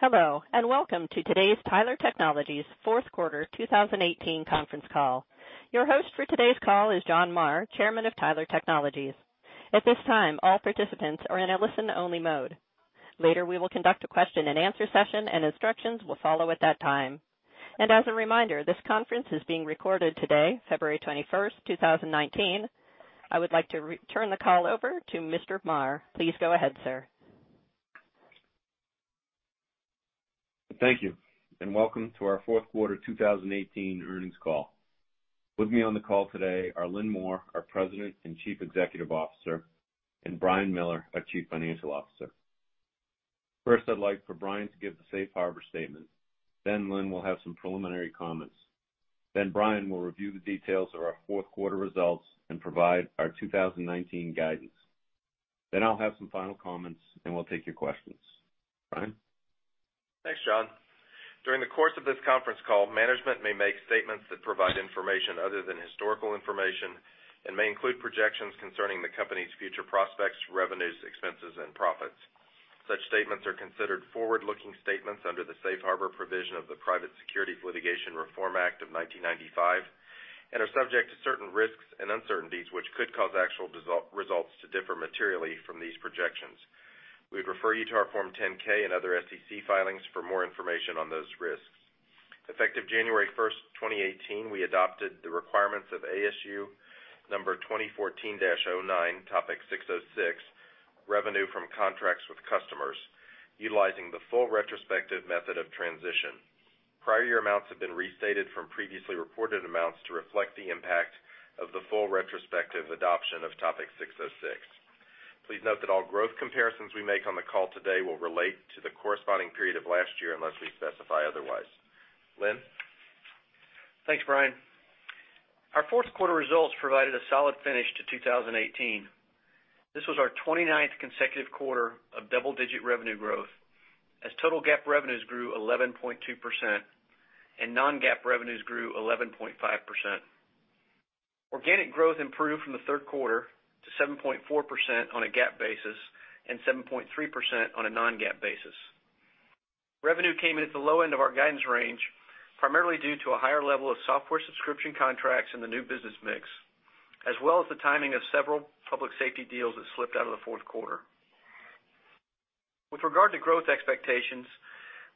Hello, welcome to today's Tyler Technologies fourth quarter 2018 conference call. Your host for today's call is John Marr, Chairman of Tyler Technologies. At this time, all participants are in a listen-only mode. Later, we will conduct a question and answer session. Instructions will follow at that time. As a reminder, this conference is being recorded today, February 21st, 2019. I would like to turn the call over to Mr. Marr. Please go ahead, sir. Thank you. Welcome to our fourth quarter 2018 earnings call. With me on the call today are Lynn Moore, our President and Chief Executive Officer, Brian Miller, our Chief Financial Officer. First, I'd like for Brian to give the safe harbor statement. Lynn will have some preliminary comments. Brian will review the details of our fourth quarter results and provide our 2019 guidance. I'll have some final comments. We'll take your questions. Brian? Thanks, John. During the course of this conference call, management may make statements that provide information other than historical information and may include projections concerning the company's future prospects, revenues, expenses, and profits. Such statements are considered forward-looking statements under the safe harbor provision of the Private Securities Litigation Reform Act of 1995 and are subject to certain risks and uncertainties, which could cause actual results to differ materially from these projections. We'd refer you to our Form 10-K and other SEC filings for more information on those risks. Effective January 1st, 2018, we adopted the requirements of ASU 2014-09, Topic 606, Revenue from Contracts with Customers, utilizing the full retrospective method of transition. Prior year amounts have been restated from previously reported amounts to reflect the impact of the full retrospective adoption of Topic 606. Please note that all growth comparisons we make on the call today will relate to the corresponding period of last year unless we specify otherwise. Lynn? Thanks, Brian. Our fourth quarter results provided a solid finish to 2018. This was our 29th consecutive quarter of double-digit revenue growth, as total GAAP revenues grew 11.2% and non-GAAP revenues grew 11.5%. Organic growth improved from the third quarter to 7.4% on a GAAP basis and 7.3% on a non-GAAP basis. Revenue came in at the low end of our guidance range, primarily due to a higher level of software subscription contracts in the new business mix, as well as the timing of several public safety deals that slipped out of the fourth quarter. With regard to growth expectations,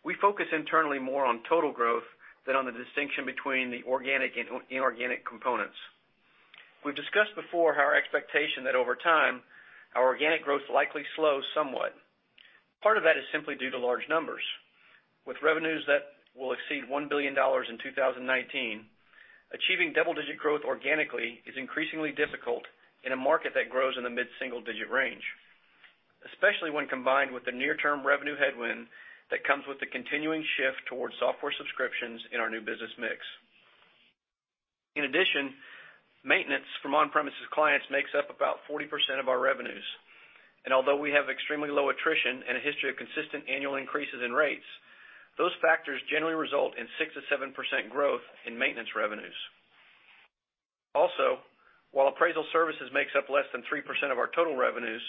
we focus internally more on total growth than on the distinction between the organic and inorganic components. We've discussed before our expectation that over time, our organic growth likely slows somewhat. Part of that is simply due to large numbers. With revenues that will exceed $1 billion in 2019, achieving double-digit growth organically is increasingly difficult in a market that grows in the mid-single digit range, especially when combined with the near-term revenue headwind that comes with the continuing shift towards software subscriptions in our new business mix. In addition, maintenance from on-premises clients makes up about 40% of our revenues. Although we have extremely low attrition and a history of consistent annual increases in rates, those factors generally result in 6%-7% growth in maintenance revenues. While appraisal services makes up less than 3% of our total revenues,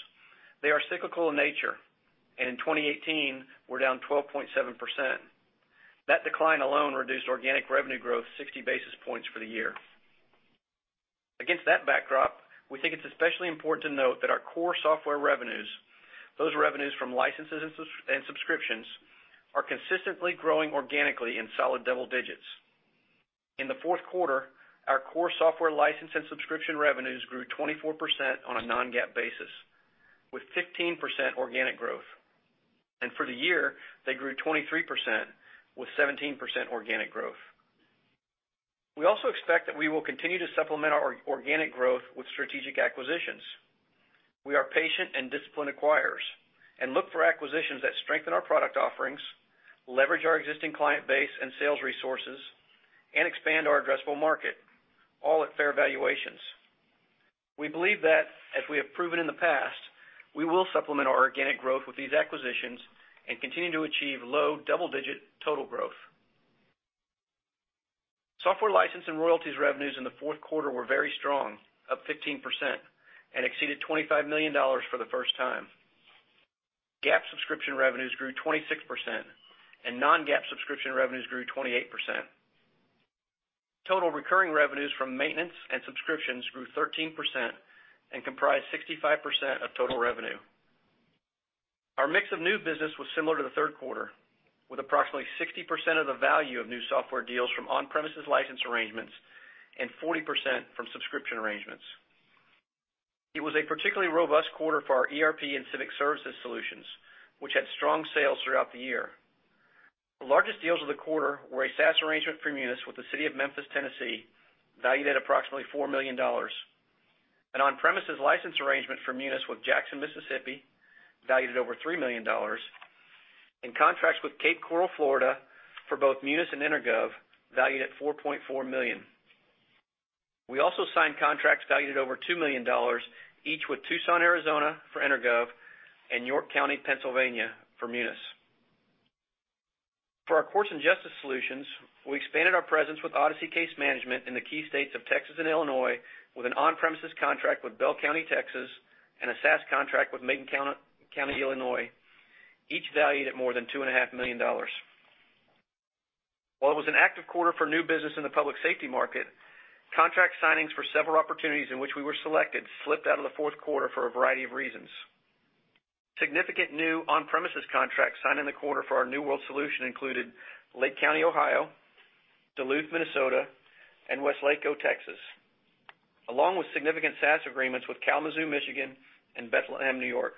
they are cyclical in nature, and in 2018, were down 12.7%. That decline alone reduced organic revenue growth 60 basis points for the year. Against that backdrop, we think it's especially important to note that our core software revenues, those revenues from licenses and subscriptions, are consistently growing organically in solid double digits. In the fourth quarter, our core software license and subscription revenues grew 24% on a non-GAAP basis, with 15% organic growth. For the year, they grew 23% with 17% organic growth. We also expect that we will continue to supplement our organic growth with strategic acquisitions. We are patient and disciplined acquirers and look for acquisitions that strengthen our product offerings, leverage our existing client base and sales resources, and expand our addressable market, all at fair valuations. We believe that, as we have proven in the past, we will supplement our organic growth with these acquisitions and continue to achieve low double-digit total growth. Software license and royalties revenues in the fourth quarter were very strong, up 15%, and exceeded $25 million for the first time. GAAP subscription revenues grew 26%, and non-GAAP subscription revenues grew 28%. Total recurring revenues from maintenance and subscriptions grew 13% and comprised 65% of total revenue. Our mix of new business was similar to the third quarter, with approximately 60% of the value of new software deals from on-premises license arrangements and 40% from subscription arrangements. It was a particularly robust quarter for our ERP and civic services solutions, which had strong sales throughout the year. The largest deals of the quarter were a SaaS arrangement for Munis with the City of Memphis, Tennessee, valued at approximately $4 million. An on-premises license arrangement for Munis with Jackson, Mississippi, valued at over $3 million, and contracts with Cape Coral, Florida, for both Munis and InterGov, valued at $4.4 million. We also signed contracts valued at over $2 million, each with Tucson, Arizona, for InterGov, and York County, Pennsylvania, for Munis. For our courts and justice solutions, we expanded our presence with Odyssey Case Manager in the key states of Texas and Illinois, with an on-premises contract with Bell County, Texas, and a SaaS contract with Macon County, Illinois, each valued at more than $2.5 million. While it was an active quarter for new business in the public safety market, contract signings for several opportunities in which we were selected slipped out of the fourth quarter for a variety of reasons. Significant new on-premises contracts signed in the quarter for our New World solution included Lake County, Ohio, Duluth, Minnesota, and Westlake, Texas, along with significant SaaS agreements with Kalamazoo, Michigan, and Bethlehem, New York.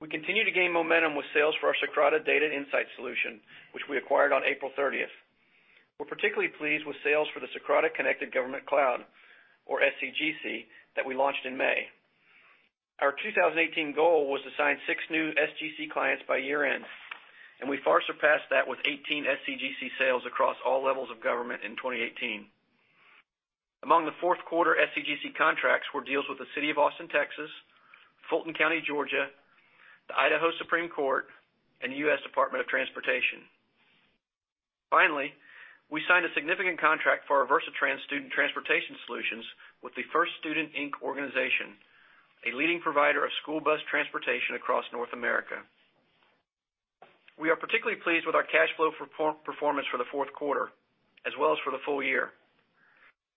We continue to gain momentum with sales for our Socrata Data & Insights solution, which we acquired on April 30th. We are particularly pleased with sales for the Socrata Connected Government Cloud, or SCGC, that we launched in May. Our 2018 goal was to sign six new SCGC clients by year-end, and we far surpassed that with 18 SCGC sales across all levels of government in 2018. Among the fourth quarter SCGC contracts were deals with the City of Austin, Texas, Fulton County, Georgia, the Idaho Supreme Court, and the U.S. Department of Transportation. Finally, we signed a significant contract for our Versatrans student transportation solutions with the First Student, Inc. organization, a leading provider of school bus transportation across North America. We are particularly pleased with our cash flow performance for the fourth quarter, as well as for the full year.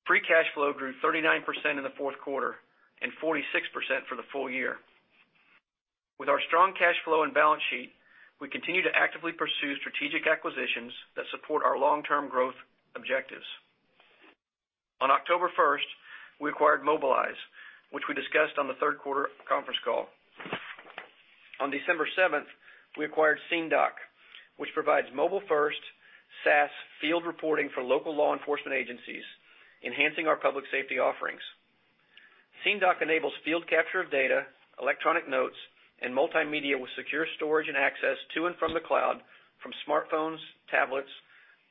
Free cash flow grew 39% in the fourth quarter and 46% for the full year. With our strong cash flow and balance sheet, we continue to actively pursue strategic acquisitions that support our long-term growth objectives. On October 1st, we acquired MobileEyes, which we discussed on the third quarter conference call. On December 7th, we acquired SceneDoc, which provides mobile-first SaaS field reporting for local law enforcement agencies, enhancing our public safety offerings. SceneDoc enables field capture of data, electronic notes, and multimedia with secure storage and access to and from the cloud from smartphones, tablets,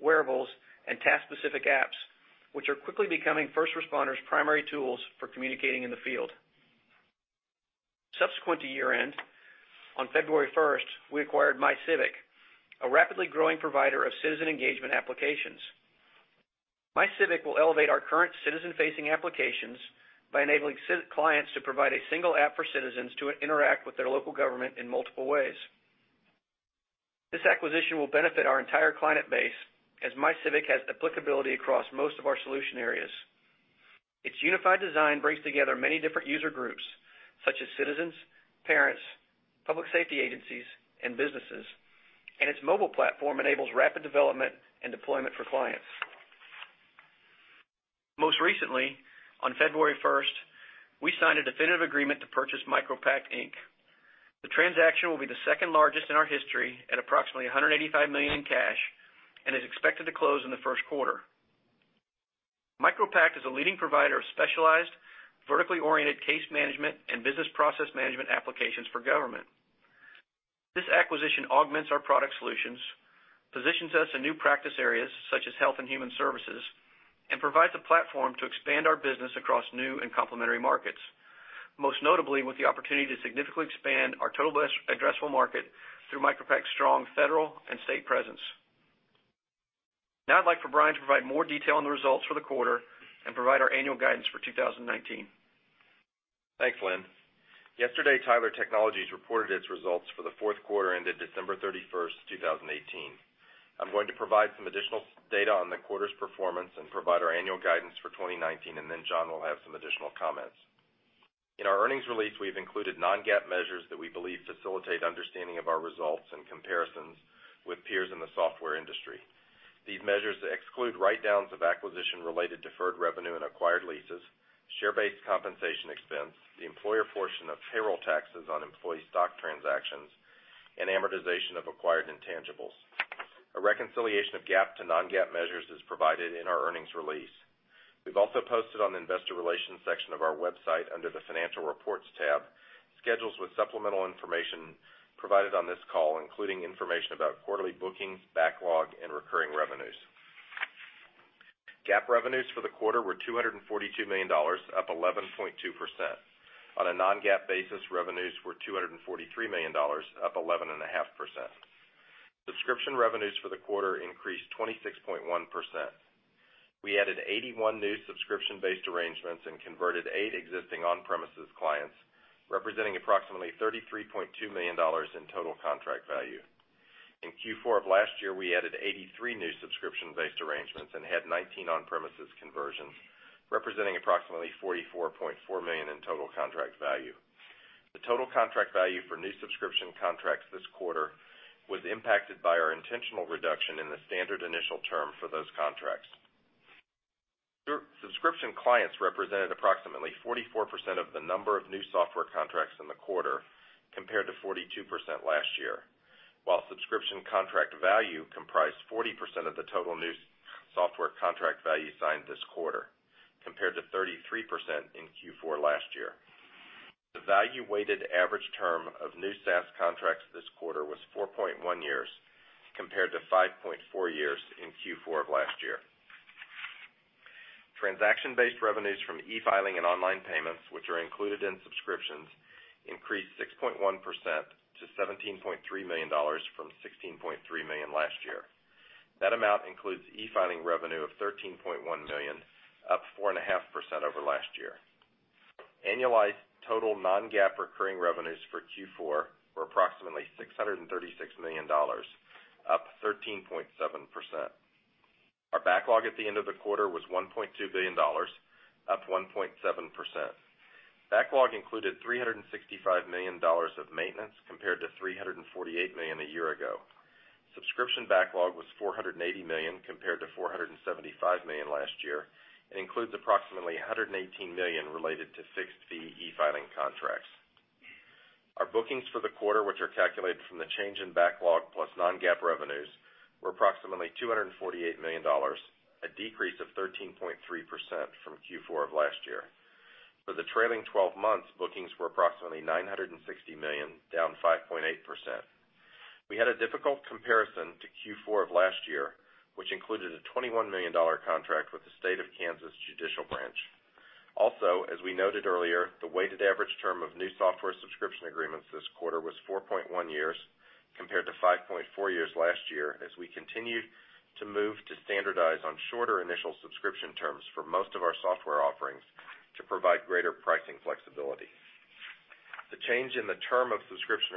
wearables, and task-specific apps, which are quickly becoming first responders' primary tools for communicating in the field. Subsequent to year-end, on February 1st, we acquired MyCivic, a rapidly growing provider of citizen engagement applications. MyCivic will elevate our current citizen-facing applications by enabling clients to provide a single app for citizens to interact with their local government in multiple ways. This acquisition will benefit our entire client base, as MyCivic has applicability across most of our solution areas. Its unified design brings together many different user groups, such as citizens, parents, public safety agencies, and businesses, and its mobile platform enables rapid development and deployment for clients. Most recently, on February 1st, we signed a definitive agreement to purchase MicroPact, Inc. The transaction will be the second largest in our history at approximately $185 million in cash and is expected to close in the first quarter. MicroPact is a leading provider of specialized, vertically oriented case management and business process management applications for government. This acquisition augments our product solutions, positions us in new practice areas such as Health and Human Services, and provides a platform to expand our business across new and complementary markets, most notably with the opportunity to significantly expand our total addressable market through MicroPact's strong federal and state presence. I'd like for Brian to provide more detail on the results for the quarter and provide our annual guidance for 2019. Thanks, Lynn. Yesterday, Tyler Technologies reported its results for the fourth quarter ended December 31, 2018. I'm going to provide some additional data on the quarter's performance and provide our annual guidance for 2019. John will have some additional comments. In our earnings release, we've included non-GAAP measures that we believe facilitate understanding of our results and comparisons with peers in the software industry. These measures exclude write-downs of acquisition-related deferred revenue and acquired leases, share-based compensation expense, the employer portion of payroll taxes on employee stock transactions, and amortization of acquired intangibles. A reconciliation of GAAP to non-GAAP measures is provided in our earnings release. We've also posted on the investor relations section of our website, under the financial reports tab, schedules with supplemental information provided on this call, including information about quarterly bookings, backlog, and recurring revenues. GAAP revenues for the quarter were $242 million, up 11.2%. On a non-GAAP basis, revenues were $243 million, up 11.5%. Subscription revenues for the quarter increased 26.1%. We added 81 new subscription-based arrangements and converted eight existing on-premises clients, representing approximately $33.2 million in total contract value. In Q4 of last year, we added 83 new subscription-based arrangements and had 19 on-premises conversions, representing approximately $44.4 million in total contract value. The total contract value for new subscription contracts this quarter was impacted by our intentional reduction in the standard initial term for those contracts. Subscription clients represented approximately 44% of the number of new software contracts in the quarter, compared to 42% last year, while subscription contract value comprised 40% of the total new software contract value signed this quarter, compared to 33% in Q4 last year. The value-weighted average term of new SaaS contracts this quarter was 4.1 years, compared to 5.4 years in Q4 of last year. Transaction-based revenues from e-filing and online payments, which are included in subscriptions, increased 6.1% to $17.3 million from $16.3 million last year. That amount includes e-filing revenue of $13.1 million, up 4.5% over last year. Annualized total non-GAAP recurring revenues for Q4 were approximately $636 million, up 13.7%. Our backlog at the end of the quarter was $1.2 billion, up 1.7%. Backlog included $365 million of maintenance, compared to $348 million a year ago. Subscription backlog was $480 million compared to $475 million last year, and includes approximately $118 million related to fixed fee e-filing contracts. Our bookings for the quarter, which are calculated from the change in backlog plus non-GAAP revenues, were approximately $248 million, a decrease of 13.3% from Q4 of last year. For the trailing 12 months, bookings were approximately $960 million, down 5.8%. We had a difficult comparison to Q4 of last year, which included a $21 million contract with the Kansas Judicial Branch. Also, as we noted earlier, the weighted average term of new software subscription agreements this quarter was 4.1 years, compared to 5.4 years last year, as we continue to move to standardize on shorter initial subscription terms for most of our software offerings to provide greater pricing flexibility. The change in the term of subscription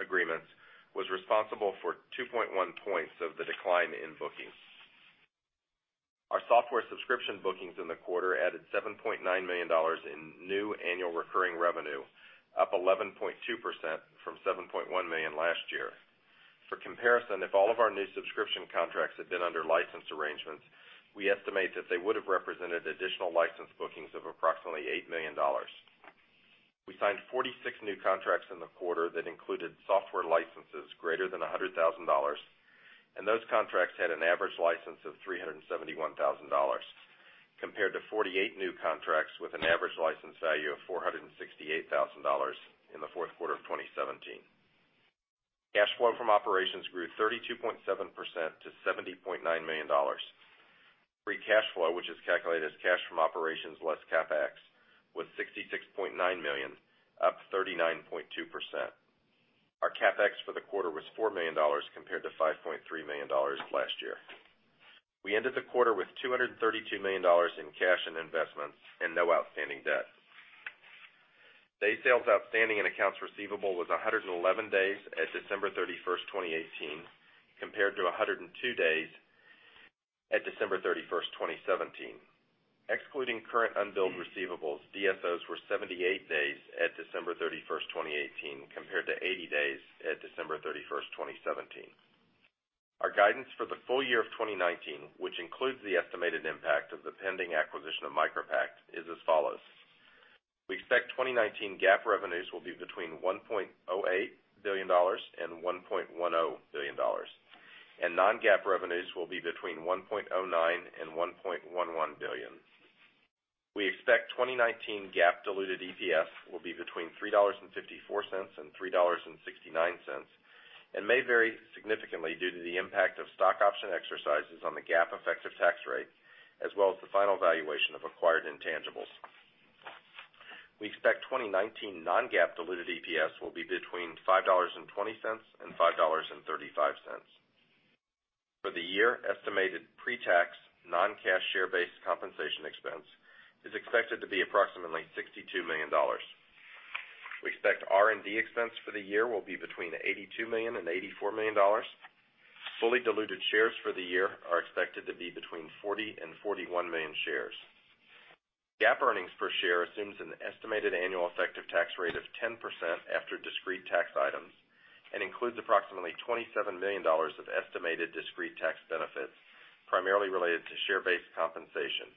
agreements was responsible for 2.1 points of the decline in bookings. Our software subscription bookings in the quarter added $7.9 million in new annual recurring revenue, up 11.2% from $7.1 million last year. For comparison, if all of our new subscription contracts had been under license arrangements, we estimate that they would have represented additional license bookings of approximately $8 million. We signed 46 new contracts in the quarter that included software licenses greater than $100,000, and those contracts had an average license of $371,000, compared to 48 new contracts with an average license value of $468,000 in the fourth quarter of 2017. Cash flow from operations grew 32.7% to $70.9 million. Free cash flow, which is calculated as cash from operations less CapEx, was $66.9 million, up 39.2%. Our CapEx for the quarter was $4 million, compared to $5.3 million last year. We ended the quarter with $232 million in cash and investments and no outstanding debt. Day sales outstanding and accounts receivable was 111 days at December 31st, 2018, compared to 102 days at December 31st, 2017. Excluding current unbilled receivables, DSOs were 78 days at December 31st, 2018, compared to 80 days at December 31st, 2017. Our guidance for the full year of 2019, which includes the estimated impact of the pending acquisition of MicroPact, is as follows. We expect 2019 GAAP revenues will be between $1.08 billion-$1.10 billion, and non-GAAP revenues will be between $1.09 billion-$1.11 billion. We expect 2019 GAAP diluted EPS will be between $3.54-$3.69, and may vary significantly due to the impact of stock option exercises on the GAAP effective tax rate, as well as the final valuation of acquired intangibles. We expect 2019 non-GAAP diluted EPS will be between $5.20-$5.35. For the year, estimated pre-tax non-cash share-based compensation expense is expected to be approximately $62 million. We expect R&D expense for the year will be between $82 million-$84 million. Fully diluted shares for the year are expected to be between 40 million-41 million shares. GAAP earnings per share assumes an estimated annual effective tax rate of 10% after discrete tax items and includes approximately $27 million of estimated discrete tax benefits, primarily related to share-based compensation,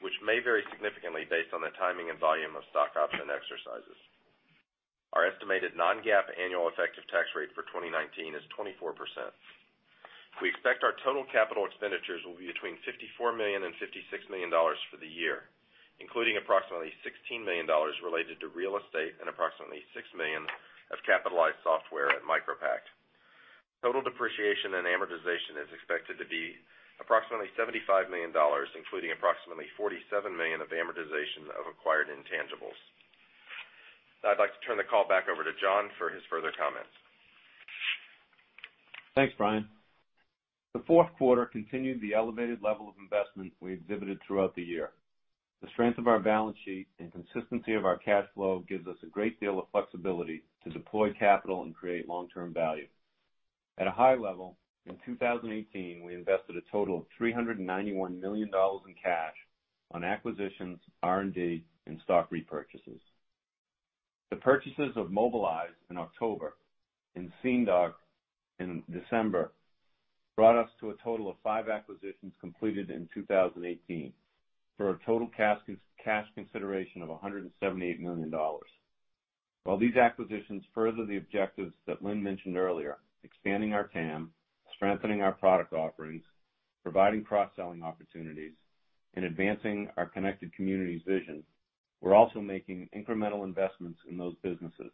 which may vary significantly based on the timing and volume of stock option exercises. Our estimated non-GAAP annual effective tax rate for 2019 is 24%. We expect our total capital expenditures will be between $54 million-$56 million for the year, including approximately $16 million related to real estate and approximately $6 million of capitalized software at MicroPact. Total depreciation and amortization is expected to be approximately $75 million, including approximately $47 million of amortization of acquired intangibles. Now I'd like to turn the call back over to John for his further comments. Thanks, Brian. The fourth quarter continued the elevated level of investment we exhibited throughout the year. The strength of our balance sheet and consistency of our cash flow gives us a great deal of flexibility to deploy capital and create long-term value. At a high level, in 2018, we invested a total of $391 million in cash on acquisitions, R&D, and stock repurchases. The purchases of MobileEyes in October and SceneDoc in December, brought us to a total of five acquisitions completed in 2018, for a total cash consideration of $178 million. While these acquisitions further the objectives that Lynn mentioned earlier, expanding our TAM, strengthening our product offerings, providing cross-selling opportunities, and advancing our connected communities vision, we are also making incremental investments in those businesses.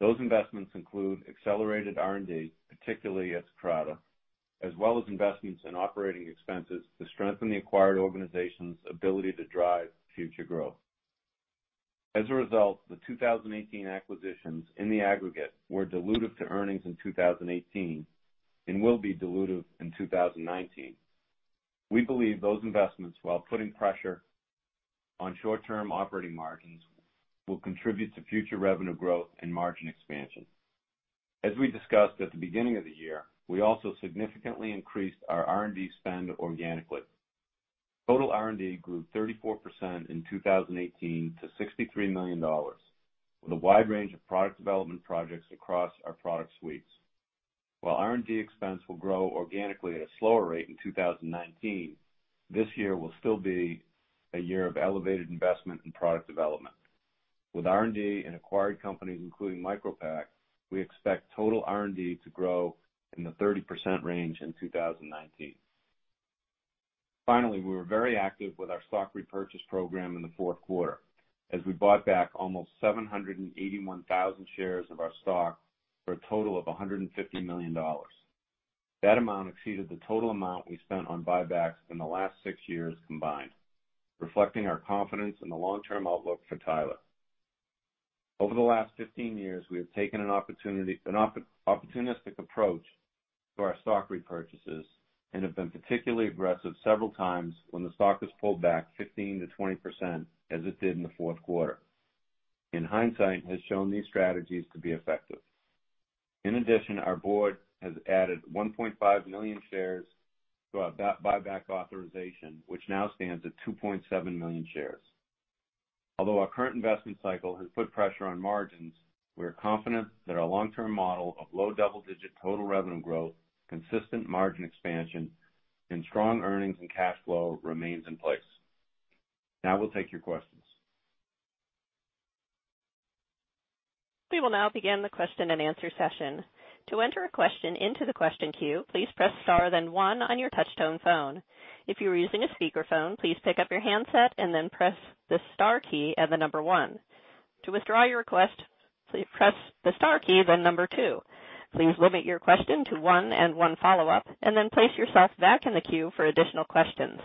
Those investments include accelerated R&D, particularly at Socrata, as well as investments in operating expenses to strengthen the acquired organization's ability to drive future growth. As a result, the 2018 acquisitions in the aggregate were dilutive to earnings in 2018 and will be dilutive in 2019. We believe those investments, while putting pressure on short-term operating margins, will contribute to future revenue growth and margin expansion. As we discussed at the beginning of the year, we also significantly increased our R&D spend organically. Total R&D grew 34% in 2018 to $63 million, with a wide range of product development projects across our product suites. While R&D expense will grow organically at a slower rate in 2019, this year will still be a year of elevated investment in product development. With R&D and acquired companies, including MicroPact, we expect total R&D to grow in the 30% range in 2019. Finally, we were very active with our stock repurchase program in the fourth quarter as we bought back almost 781,000 shares of our stock for a total of $150 million. That amount exceeded the total amount we spent on buybacks in the last six years combined, reflecting our confidence in the long-term outlook for Tyler. Over the last 15 years, we have taken an opportunistic approach to our stock repurchases and have been particularly aggressive several times when the stock has pulled back 15%-20%, as it did in the fourth quarter. In hindsight, has shown these strategies to be effective. In addition, our board has added 1.5 million shares to our buyback authorization, which now stands at 2.7 million shares. Although our current investment cycle has put pressure on margins, we are confident that our long-term model of low double-digit total revenue growth, consistent margin expansion, and strong earnings and cash flow remains in place. Now we will take your questions. We will now begin the question and answer session. To enter a question into the question queue, please press star then one on your touchtone phone. If you are using a speakerphone, please pick up your handset and then press the star key and the number one. To withdraw your request, please press the star key then number two. Please limit your question to one and one follow-up, and then place yourself back in the queue for additional questions.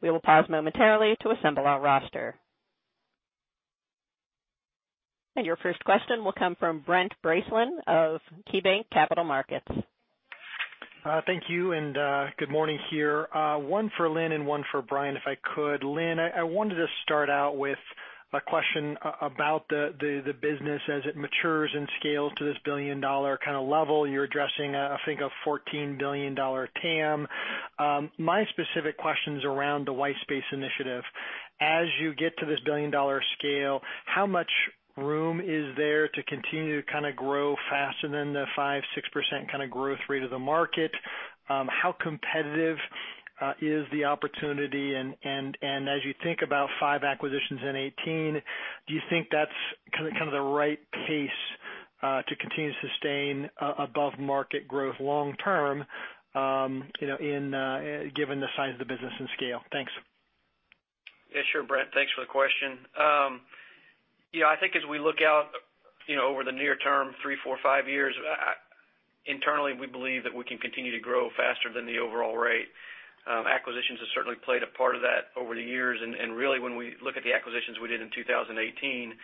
We will pause momentarily to assemble our roster. Your first question will come from Brent Bracelin of KeyBanc Capital Markets. Thank you. Good morning here. One for Lynn and one for Brian, if I could. Lynn, I wanted to start out with a question about the business as it matures and scales to this billion-dollar kind of level. You're addressing, I think, a $14 billion TAM. My specific question is around the white space initiative. As you get to this billion-dollar scale, how much room is there to continue to grow faster than the 5%-6% kind of growth rate of the market? How competitive is the opportunity? As you think about five acquisitions in 2018, do you think that's kind of the right pace to continue to sustain above-market growth long term given the size of the business and scale? Thanks. Sure, Brent. Thanks for the question. I think as we look out over the near term, three, four, five years, internally, we believe that we can continue to grow faster than the overall rate. Acquisitions have certainly played a part of that over the years, and really, when we look at the acquisitions we did in 2018,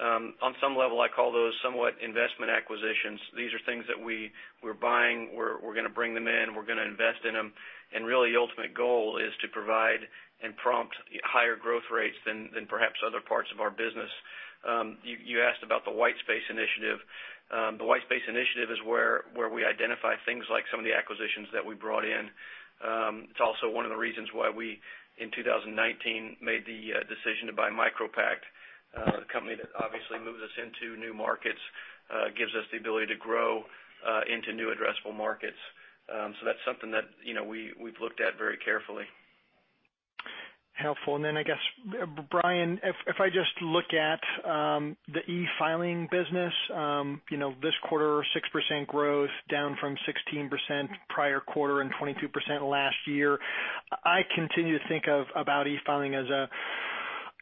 on some level, I call those somewhat investment acquisitions. These are things that we're buying. We're going to bring them in. We're going to invest in them, and really the ultimate goal is to provide and prompt higher growth rates than perhaps other parts of our business. You asked about the white space initiative. The white space initiative is where we identify things like some of the acquisitions that we brought in. It's also one of the reasons why we, in 2019, made the decision to buy MicroPact, a company that obviously moves us into new markets, gives us the ability to grow into new addressable markets. That's something that we've looked at very carefully. Helpful. I guess, Brian Miller, if I just look at the e-filing business. This quarter, 6% growth, down from 16% prior quarter and 22% last year. I continue to think of about e-filing as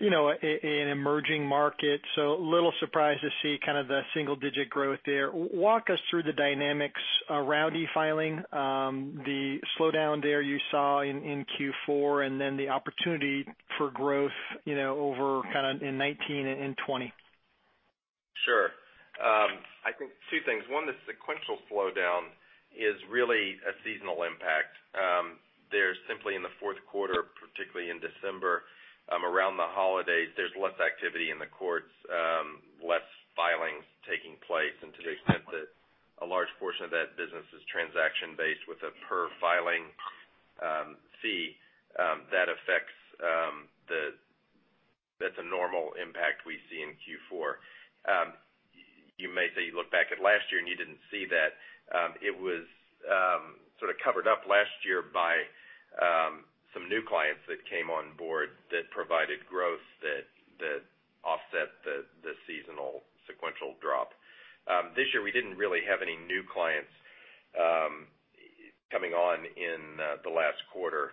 an emerging market. A little surprised to see the single-digit growth there. Walk us through the dynamics around e-filing, the slowdown there you saw in Q4, and then the opportunity for growth in 2019 and 2020. Sure. I think two things. One, the sequential slowdown is really a seasonal impact. There's simply in the fourth quarter, particularly in December around the holidays, there's less activity in the courts, less filings taking place. To the extent that a large portion of that business is transaction-based with a per filing fee, that's a normal impact we see in Q4. You may say you look back at last year, you didn't see that. It was sort of covered up last year by some new clients that came on board that provided growth that offset the seasonal sequential drop. This year, we didn't really have any new clients In the last quarter.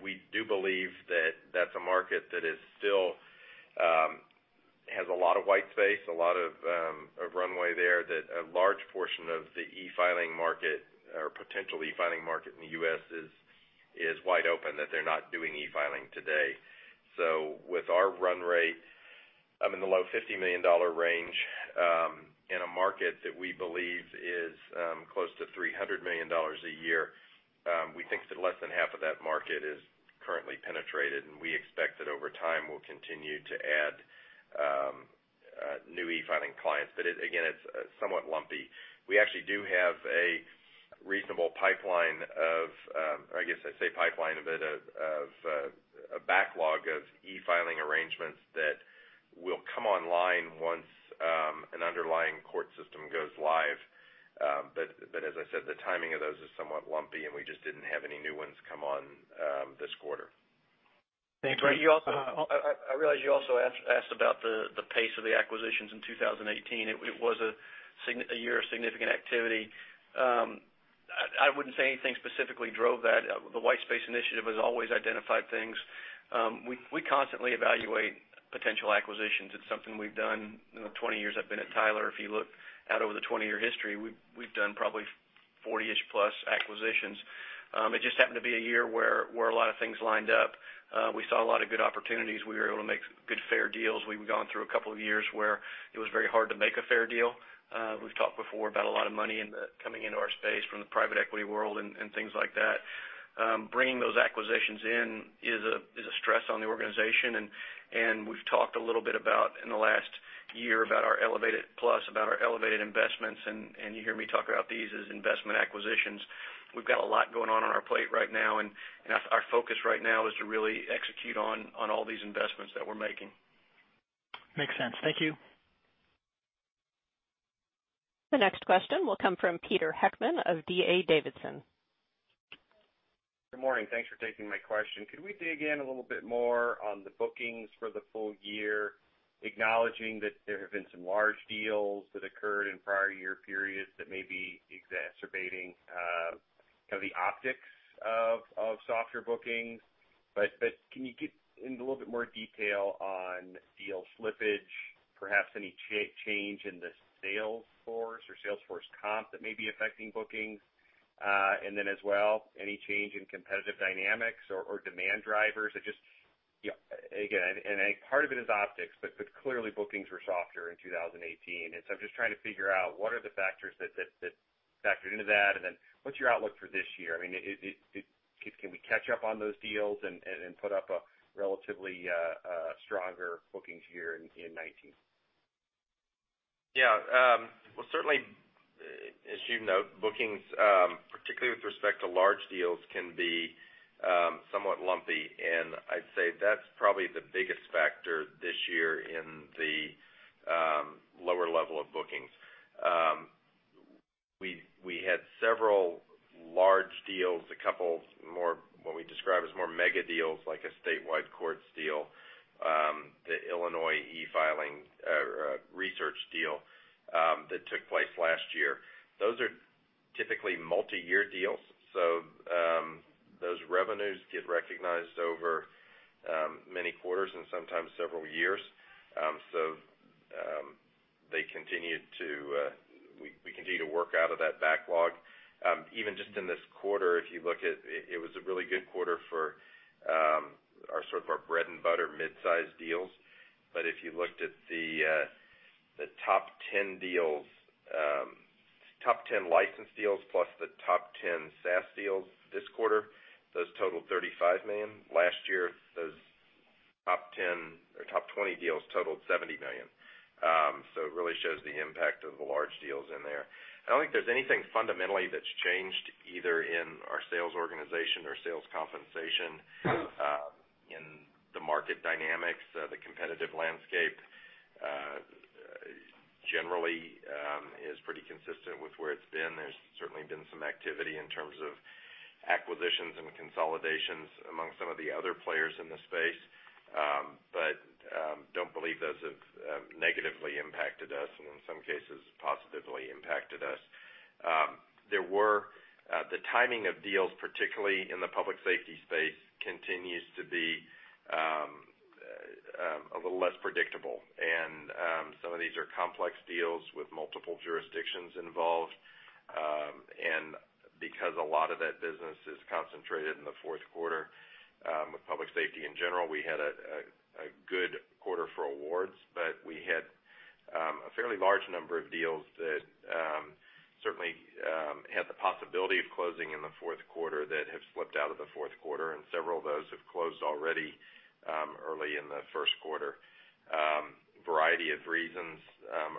We do believe that that's a market that still has a lot of white space, a lot of runway there, that a large portion of the e-filing market, or potential e-filing market in the U.S. is wide open, that they're not doing e-filing today. With our run rate in the low $50 million range, in a market that we believe is close to $300 million a year, we think that less than half of that market is currently penetrated, we expect that over time we'll continue to add new e-filing clients. Again, it's somewhat lumpy. We actually do have a reasonable pipeline of I guess I say pipeline, but a backlog of e-filing arrangements that will come online once an underlying court system goes live. As I said, the timing of those is somewhat lumpy, we just didn't have any new ones come on this quarter. Thanks. I realize you also asked about the pace of the acquisitions in 2018. It was a year of significant activity. I wouldn't say anything specifically drove that. The white space initiative has always identified things. We constantly evaluate potential acquisitions. It's something we've done in the 20 years I've been at Tyler. If you look out over the 20-year history, we've done probably 40-ish plus acquisitions. It just happened to be a year where a lot of things lined up. We saw a lot of good opportunities. We were able to make good fair deals. We've gone through a couple of years where it was very hard to make a fair deal. We've talked before about a lot of money coming into our space from the private equity world and things like that. Bringing those acquisitions in is a stress on the organization. We've talked a little bit about, in the last year, about our elevated investments. You hear me talk about these as investment acquisitions. We've got a lot going on on our plate right now, and our focus right now is to really execute on all these investments that we're making. Makes sense. Thank you. The next question will come from Peter Heckmann of D.A. Davidson. Good morning. Thanks for taking my question. Could we dig in a little bit more on the bookings for the full year, acknowledging that there have been some large deals that occurred in prior year periods that may be exacerbating the optics of software bookings? Can you get into a little bit more detail on deal slippage, perhaps any change in the sales force or sales force comp that may be affecting bookings? As well, any change in competitive dynamics or demand drivers? Again, part of it is optics, but clearly bookings were softer in 2018. I'm just trying to figure out what are the factors that factored into that, and then what's your outlook for this year? Can we catch up on those deals and put up a relatively stronger bookings year in 2019? Yeah. Well, certainly, as you note, bookings, particularly with respect to large deals, can be somewhat lumpy, and I'd say that's probably the biggest factor this year in the lower level of bookings. We had several large deals, a couple what we describe as more mega deals, like a statewide courts deal, the Illinois e-filing statewide deal that took place last year. Those are typically multi-year deals, so those revenues get recognized over many quarters and sometimes several years. We continue to work out of that backlog. Even just in this quarter, if you look at it was a really good quarter for our bread and butter mid-size deals. If you looked at the top 10 license deals plus the top 10 SaaS deals this quarter, those totaled $35 million. Last year, those top 20 deals totaled $70 million. It really shows the impact of the large deals in there. I don't think there's anything fundamentally that's changed either in our sales organization or sales compensation. In the market dynamics, the competitive landscape, generally is pretty consistent with where it's been. There's certainly been some activity in terms of acquisitions and consolidations among some of the other players in this space. Don't believe those have negatively impacted us, and in some cases, positively impacted us. The timing of deals, particularly in the public safety space, continues to be a little less predictable. Some of these are complex deals with multiple jurisdictions involved. Because a lot of that business is concentrated in the fourth quarter, with public safety in general, we had a good quarter for awards, but we had a fairly large number of deals that certainly had the possibility of closing in the fourth quarter that have slipped out of the fourth quarter, and several of those have closed already early in the first quarter. Variety of reasons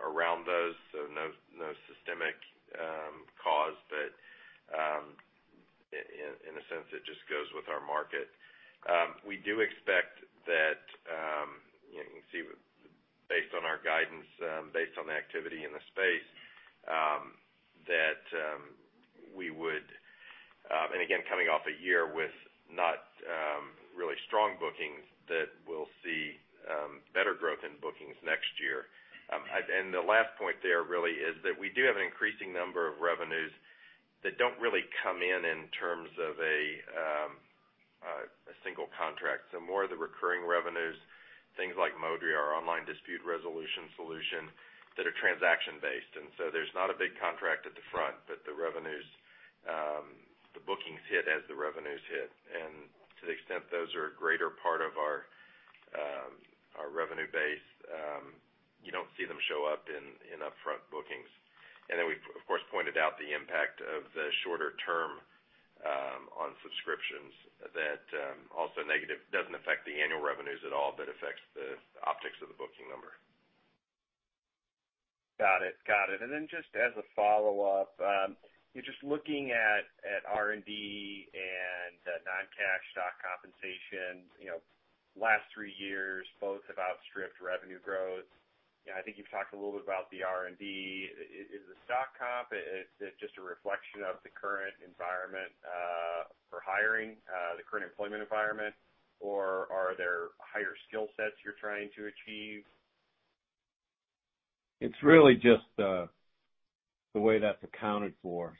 around those. No systemic cause, but in a sense, it just goes with our market. We do expect that, based on our guidance, based on the activity in the space, and again, coming off a year with not really strong bookings, that we'll see better growth in bookings next year. The last point there really is that we do have an increasing number of revenues that don't really come in terms of a single contract. More of the recurring revenues, things like Modria, our online dispute resolution solution, that are transaction-based. There's not a big contract at the front, but the bookings hit as the revenues hit. To the extent those are a greater part of our revenue base, you don't see them show up in upfront bookings. We, of course, pointed out the impact of the shorter term on subscriptions that also negative doesn't affect the annual revenues at all, but affects the optics of the booking number. Got it. Just as a follow-up, just looking at R&D and non-cash stock compensation, last three years, both have outstripped revenue growth. I think you've talked a little bit about the R&D. Is the stock comp just a reflection of the current environment for hiring, the current employment environment, or are there higher skill sets you're trying to achieve? It's really just the way that's accounted for.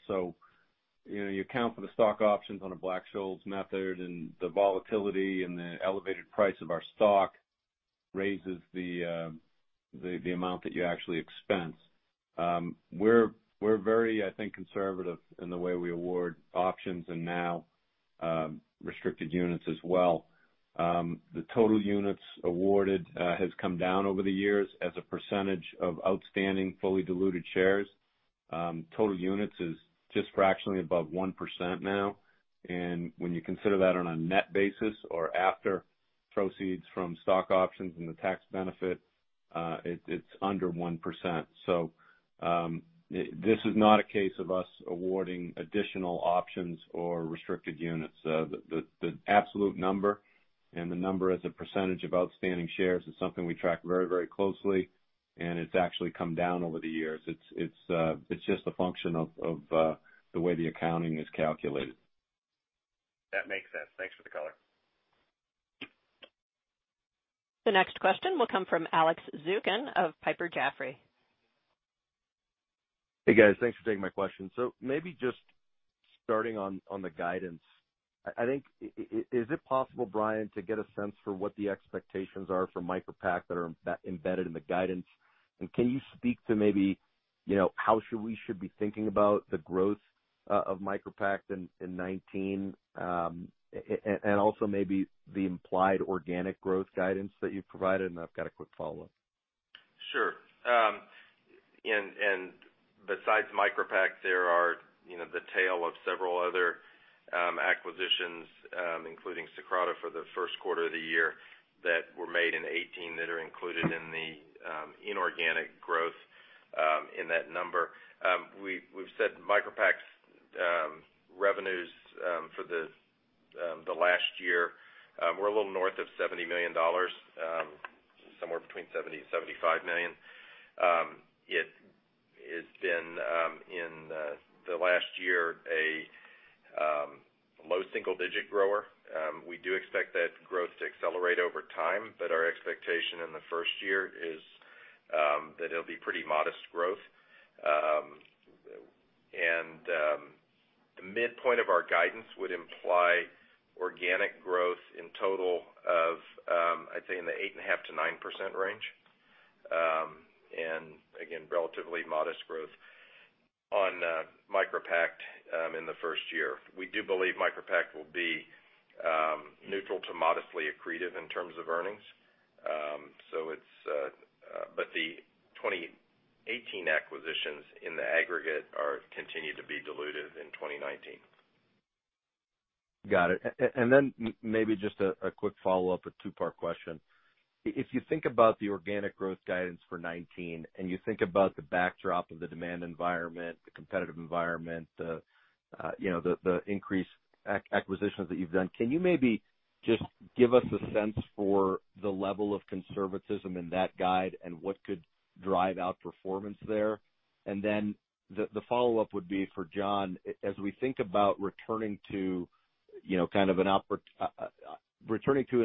You account for the stock options on a Black-Scholes method, and the volatility and the elevated price of our stock raises the amount that you actually expense. We're very, I think, conservative in the way we award options and now restricted units as well. The total units awarded has come down over the years as a percentage of outstanding fully diluted shares. Total units is just fractionally above 1% now, and when you consider that on a net basis or after proceeds from stock options and the tax benefit, it's under 1%. This is not a case of us awarding additional options or restricted units. The absolute number and the number as a percentage of outstanding shares is something we track very closely, and it's actually come down over the years. It's just a function of the way the accounting is calculated. That makes sense. Thanks for the color. The next question will come from Alex Zukin of Piper Jaffray. Hey, guys. Thanks for taking my question. Maybe just starting on the guidance, is it possible, Brian, to get a sense for what the expectations are for MicroPact that are embedded in the guidance? Can you speak to maybe, how we should be thinking about the growth of MicroPact in 2019? Also maybe the implied organic growth guidance that you've provided, and I've got a quick follow-up. Sure. Besides MicroPact, there are the tail of several other acquisitions, including Socrata for the first quarter of the year that were made in 2018 that are included in the inorganic growth in that number. We've said MicroPact's revenues for the last year were a little north of $70 million, somewhere between $70 million and $75 million. It's been, in the last year, a low single-digit grower. We do expect that growth to accelerate over time, but our expectation in the first year is that it'll be pretty modest growth. The midpoint of our guidance would imply organic growth in total of, I'd say, in the 8.5%-9% range. Again, relatively modest growth on MicroPact in the first year. We do believe MicroPact will be neutral to modestly accretive in terms of earnings. The 2018 acquisitions in the aggregate continue to be dilutive in 2019. Got it. Maybe just a quick follow-up, a two-part question. If you think about the organic growth guidance for 2019, and you think about the backdrop of the demand environment, the competitive environment, the increased acquisitions that you've done, can you maybe just give us a sense for the level of conservatism in that guide and what could drive outperformance there? The follow-up would be for John. As we think about returning to an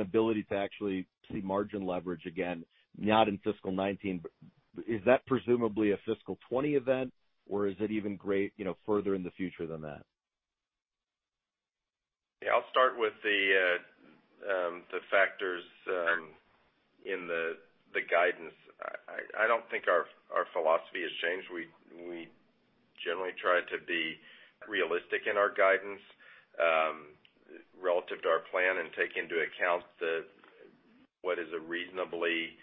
ability to actually see margin leverage again, not in fiscal 2019, but is that presumably a fiscal 2020 event, or is it even further in the future than that? I'll start with the factors in the guidance. I don't think our philosophy has changed. We generally try to be realistic in our guidance relative to our plan and take into account what is a reasonably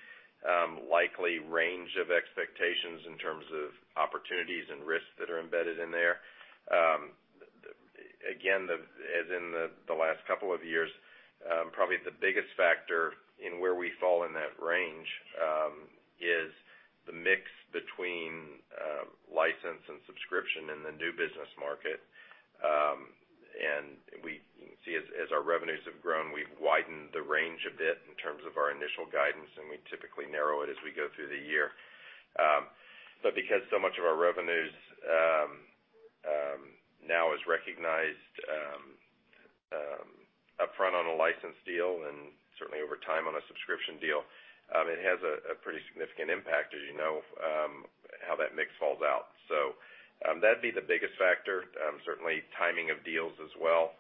likely range of expectations in terms of opportunities and risks that are embedded in there. Again, as in the last couple of years, probably the biggest factor in where we fall in that range is the mix between license and subscription in the new business market. We see as our revenues have grown, we've widened the range a bit in terms of our initial guidance, and we typically narrow it as we go through the year. Because so much of our revenues now is recognized upfront on a licensed deal and certainly over time on a subscription deal, it has a pretty significant impact as you know how that mix falls out. That'd be the biggest factor. Certainly, timing of deals as well.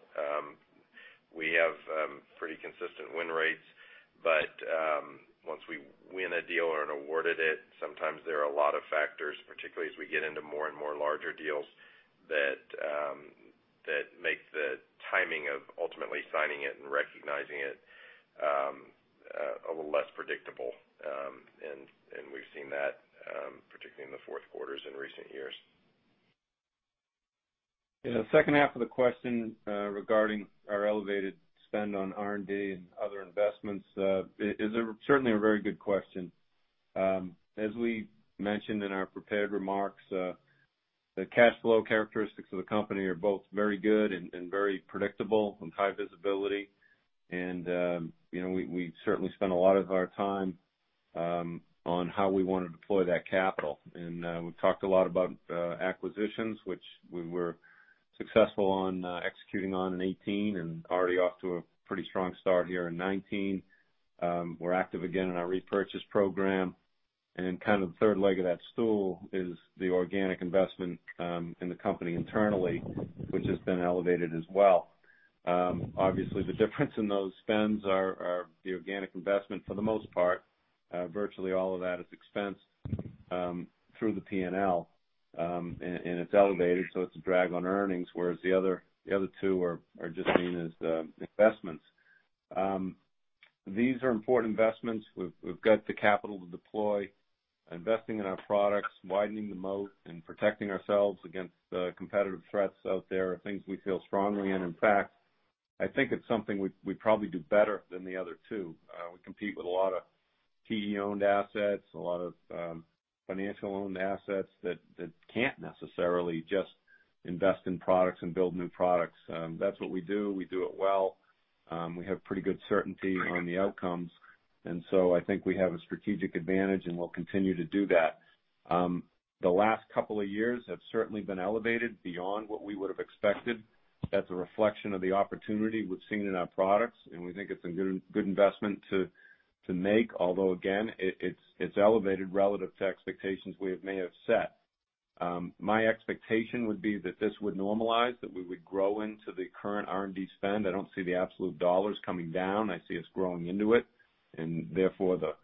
We have pretty consistent win rates, but once we win a deal or are awarded it, sometimes there are a lot of factors, particularly as we get into more and more larger deals that make the timing of ultimately signing it and recognizing it a little less predictable. We've seen that, particularly in the fourth quarters in recent years. In the second half of the question regarding our elevated spend on R&D and other investments is certainly a very good question. As we mentioned in our prepared remarks, the cash flow characteristics of the company are both very good and very predictable and high visibility. We certainly spend a lot of our time on how we want to deploy that capital. We've talked a lot about acquisitions, which we were successful on executing on in 2018 and already off to a pretty strong start here in 2019. We're active again in our repurchase program. Kind of the third leg of that stool is the organic investment in the company internally, which has been elevated as well. Obviously, the difference in those spends are the organic investment for the most part. Virtually all of that is expensed through the P&L, and it's elevated, so it's a drag on earnings, whereas the other two are just seen as investments. These are important investments. We've got the capital to deploy. Investing in our products, widening the moat, and protecting ourselves against competitive threats out there are things we feel strongly in. In fact, I think it's something we probably do better than the other two. We compete with a lot of PE-owned assets, a lot of financial-owned assets that can't necessarily just invest in products and build new products. That's what we do. We do it well. We have pretty good certainty on the outcomes, and so I think we have a strategic advantage, and we'll continue to do that. The last couple of years have certainly been elevated beyond what we would have expected. That's a reflection of the opportunity we've seen in our products, and we think it's a good investment to make, although again, it's elevated relative to expectations we may have set. My expectation would be that this would normalize, that we would grow into the current R&D spend. I don't see the absolute dollars coming down. I see us growing into it and therefore the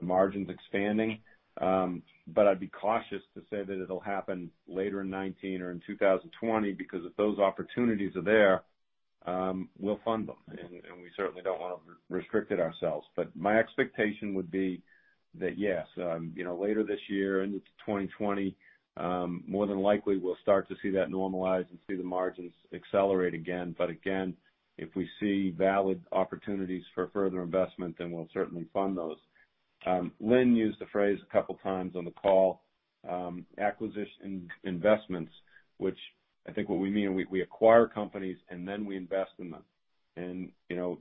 margins expanding. I'd be cautious to say that it'll happen later in 2019 or in 2020, because if those opportunities are there, we'll fund them. We certainly don't want to have restricted ourselves. My expectation would be that, yes, later this year into 2020, more than likely, we'll start to see that normalize and see the margins accelerate again. Again, if we see valid opportunities for further investment, then we'll certainly fund those. Lynn used the phrase a couple of times on the call, acquisition investments, which I think what we mean, we acquire companies, and then we invest in them.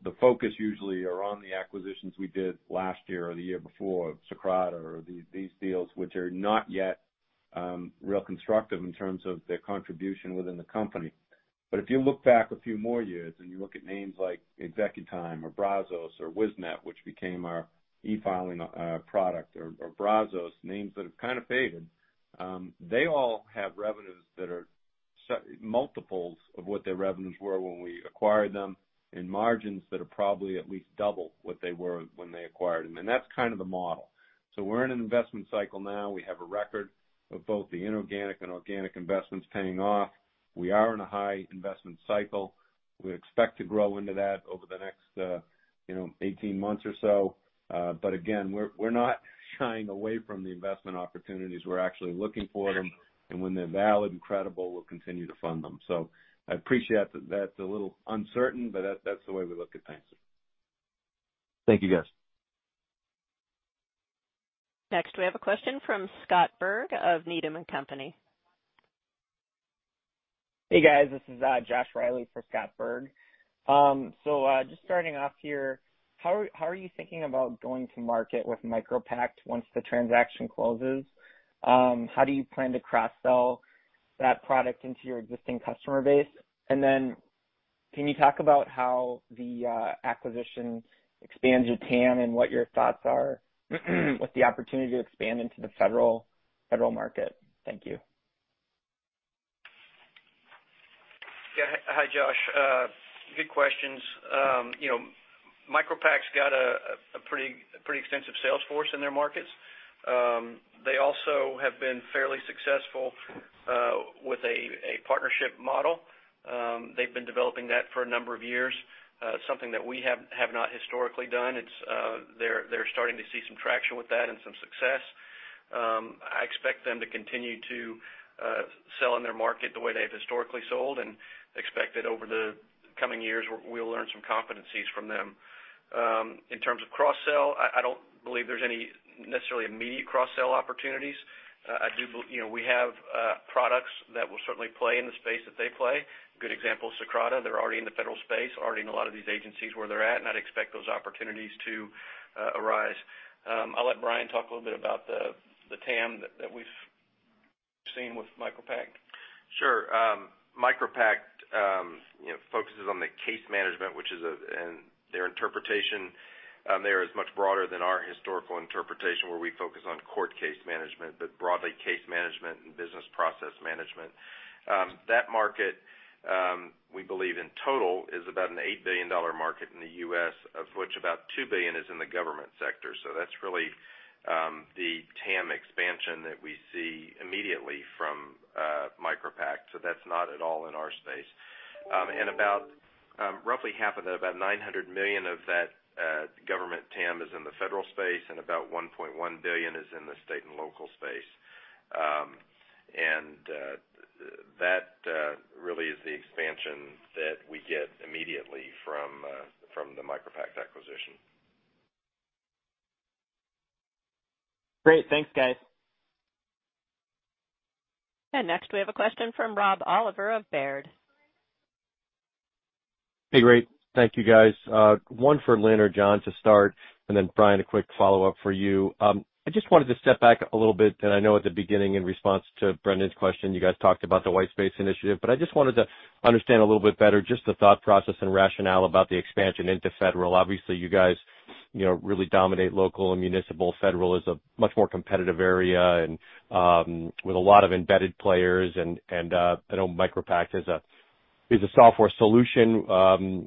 The focus usually are on the acquisitions we did last year or the year before, Socrata or these deals, which are not yet real constructive in terms of their contribution within the company. If you look back a few more years and you look at names like ExecuTime or Brazos or Wiznet, which became our e-filing product, or Brazos, names that have kind of faded. They all have revenues that are multiples of what their revenues were when we acquired them, and margins that are probably at least double what they were when they acquired them. That's kind of the model. We're in an investment cycle now. We have a record of both the inorganic and organic investments paying off. We are in a high investment cycle. We expect to grow into that over the next 18 months or so. Again, we're not shying away from the investment opportunities. We're actually looking for them, and when they're valid and credible, we'll continue to fund them. I appreciate that that's a little uncertain, but that's the way we look at things. Thank you, guys. Next, we have a question from Scott Berg of Needham & Company. Hey, guys. This is Josh Riley for Scott Berg. Just starting off here, how are you thinking about going to market with MicroPact once the transaction closes? How do you plan to cross-sell that product into your existing customer base? Can you talk about how the acquisition expands your TAM and what your thoughts are with the opportunity to expand into the federal market? Thank you. Yeah. Hi, Josh. Good questions. MicroPact's got a pretty extensive sales force in their markets. They also have been fairly successful with a partnership model. They've been developing that for a number of years. It's something that we have not historically done. They're starting to see some traction with that and some success. I expect them to continue to sell in their market the way they've historically sold and expect that over the coming years, we'll learn some competencies from them. In terms of cross-sell, I don't believe there's any necessarily immediate cross-sell opportunities. We have products that will certainly play in the space that they play Good example, Socrata. They're already in the federal space, already in a lot of these agencies where they're at, and I'd expect those opportunities to arise. I'll let Brian talk a little bit about the TAM that we've seen with MicroPact. Sure. MicroPact focuses on the case management, and their interpretation there is much broader than our historical interpretation, where we focus on court case management, but broadly, case management and business process management. That market, we believe, in total, is about an $8 billion market in the U.S., of which about $2 billion is in the government sector. That's really the TAM expansion that we see immediately from MicroPact. That's not at all in our space. About roughly half of that, about $900 million of that government TAM is in the federal space, and about $1.1 billion is in the state and local space. That really is the expansion that we get immediately from the MicroPact acquisition. Great. Thanks, guys. Next, we have a question from Rob Oliver of Baird. Hey, great. Thank you, guys. One for Lynn or John to start, then Brian, a quick follow-up for you. I just wanted to step back a little bit. I know at the beginning, in response to Brendan's question, you guys talked about the white space initiative. I just wanted to understand a little bit better just the thought process and rationale about the expansion into federal. Obviously, you guys really dominate local and municipal. Federal is a much more competitive area with a lot of embedded players. I know MicroPact is a software solution,